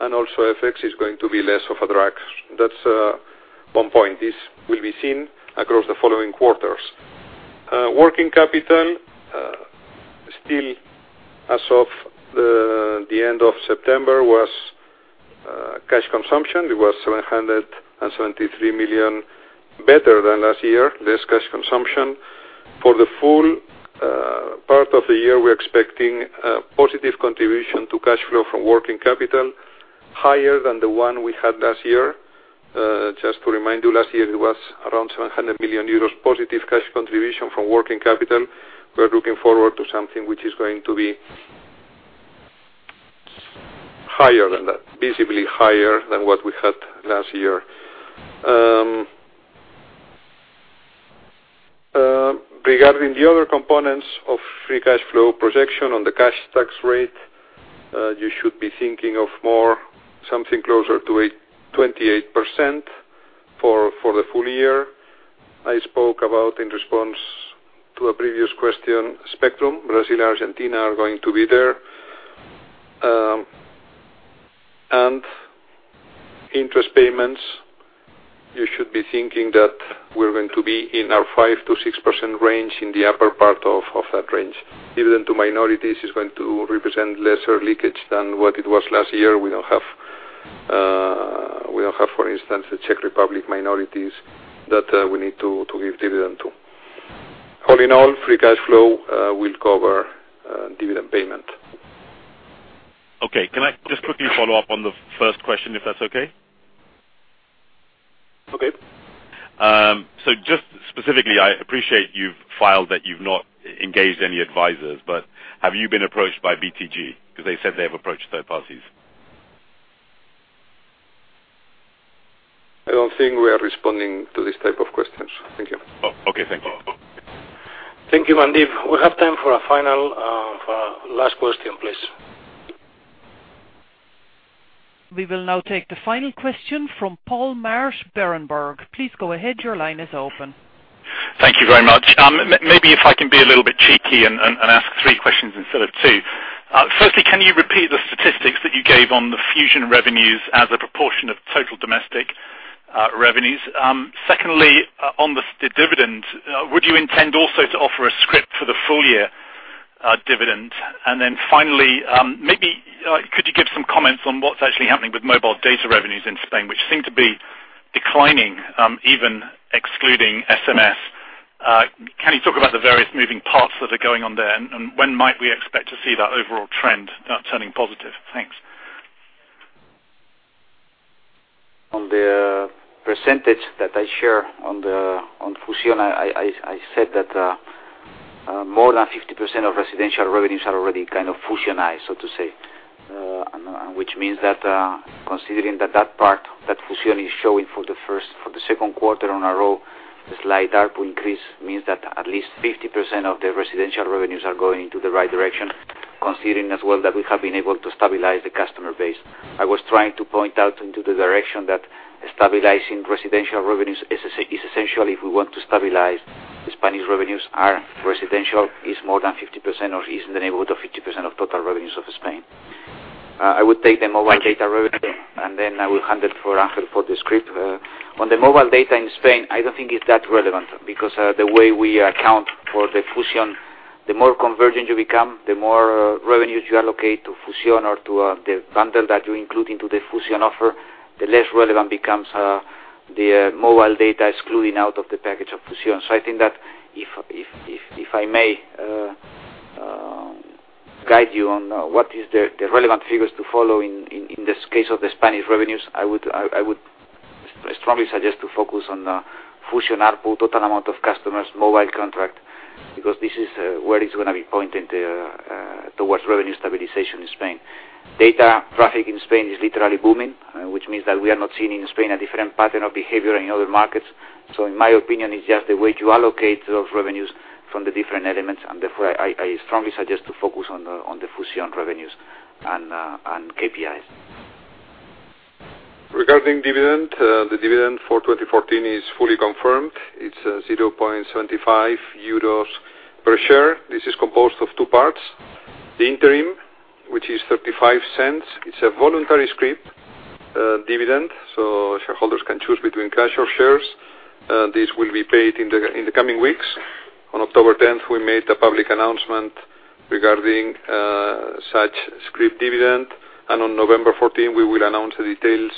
also FX is going to be less of a drag. That's one point. This will be seen across the following quarters. Working capital still as of the end of September was cash consumption. It was 773 million better than last year, less cash consumption. For the full part of the year, we're expecting a positive contribution to cash flow from working capital higher than the one we had last year. Just to remind you, last year it was around 700 million euros positive cash contribution from working capital. We're looking forward to something which is going to be visibly higher than what we had last year. Regarding the other components of free cash flow projection on the cash tax rate, you should be thinking of something closer to 28% for the full year. I spoke about in response to a previous question, spectrum. Brazil, Argentina are going to be there. Interest payments, you should be thinking that we're going to be in our 5%-6% range, in the upper part of that range. Dividend to minorities is going to represent lesser leakage than what it was last year. We don't have, for instance, the Czech Republic minorities that we need to give dividend to. All in all, free cash flow will cover dividend payment. Follow up on the first question, if that's okay? Okay. Just specifically, I appreciate you've filed that you've not engaged any advisors, but have you been approached by BTG? They said they have approached third parties. I don't think we are responding to this type of questions. Thank you. Okay. Thank you. Thank you, Mandeep. We have time for our final, last question, please. We will now take the final question from Paul Marsch, Berenberg. Please go ahead. Your line is open. Thank you very much. Maybe if I can be a little bit cheeky and ask three questions instead of two. Firstly, can you repeat the statistics that you gave on the Fusión revenues as a proportion of total domestic revenues? Secondly, on the dividend, would you intend also to offer a scrip for the full year dividend? Finally, maybe could you give some comments on what's actually happening with mobile data revenues in Spain, which seem to be declining, even excluding SMS. Can you talk about the various moving parts that are going on there, and when might we expect to see that overall trend turning positive? Thanks. On the percentage that I share on Fusión, I said that more than 50% of residential revenues are already kind of fusionized, so to say. That means that, considering that part, that Fusión, is showing for the second quarter on a row, the slight ARPU increase means that at least 50% of the residential revenues are going into the right direction, considering as well that we have been able to stabilize the customer base. I was trying to point out into the direction that stabilizing residential revenues is essential if we want to stabilize Spanish revenues. Our residential is more than 50%, or is in the neighborhood of 50%, of total revenues of Spain. I would take the mobile data revenue, then I will hand it for Ángel for the scrip. On the mobile data in Spain, I don't think it's that relevant because the way we account for the Fusión, the more convergent you become, the more revenues you allocate to Fusión or to the bundle that you include into the Fusión offer, the less relevant becomes the mobile data excluding out of the package of Fusión. I think that if I may guide you on what is the relevant figures to follow in this case of the Spanish revenues, I would strongly suggest to focus on Fusión ARPU, total amount of customers, mobile contract, because this is where it's going to be pointing towards revenue stabilization in Spain. Data traffic in Spain is literally booming, which means that we are not seeing in Spain a different pattern of behavior in other markets. In my opinion, it's just the way you allocate those revenues from the different elements, and therefore, I strongly suggest to focus on the Fusión revenues and KPIs. Regarding dividend, the dividend for 2014 is fully confirmed. It is 0.75 euros per share. This is composed of two parts. The interim, which is 0.35, it is a voluntary scrip dividend, so shareholders can choose between cash or shares. This will be paid in the coming weeks. On October 10th, we made a public announcement regarding such scrip dividend, and on November 14, we will announce the details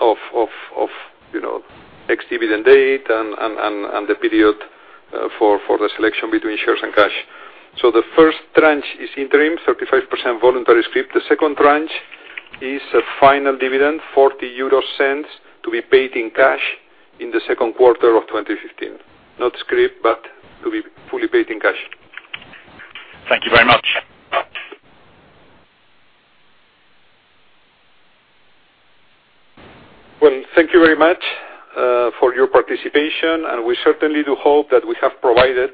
of ex-dividend date and the period for the selection between shares and cash. The first tranche is interim, 35% voluntary scrip. The second tranche is a final dividend, 0.40 to be paid in cash in the second quarter of 2015. Not scrip, but to be fully paid in cash. Thank you very much. Thank you very much for your participation, and we certainly do hope that we have provided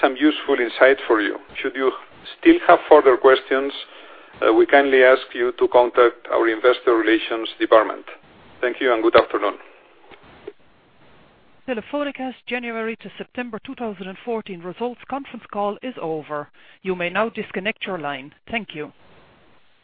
some useful insight for you. Should you still have further questions, we kindly ask you to contact our investor relations department. Thank you and good afternoon. Telefónica's January to September 2014 results conference call is over. You may now disconnect your line. Thank you.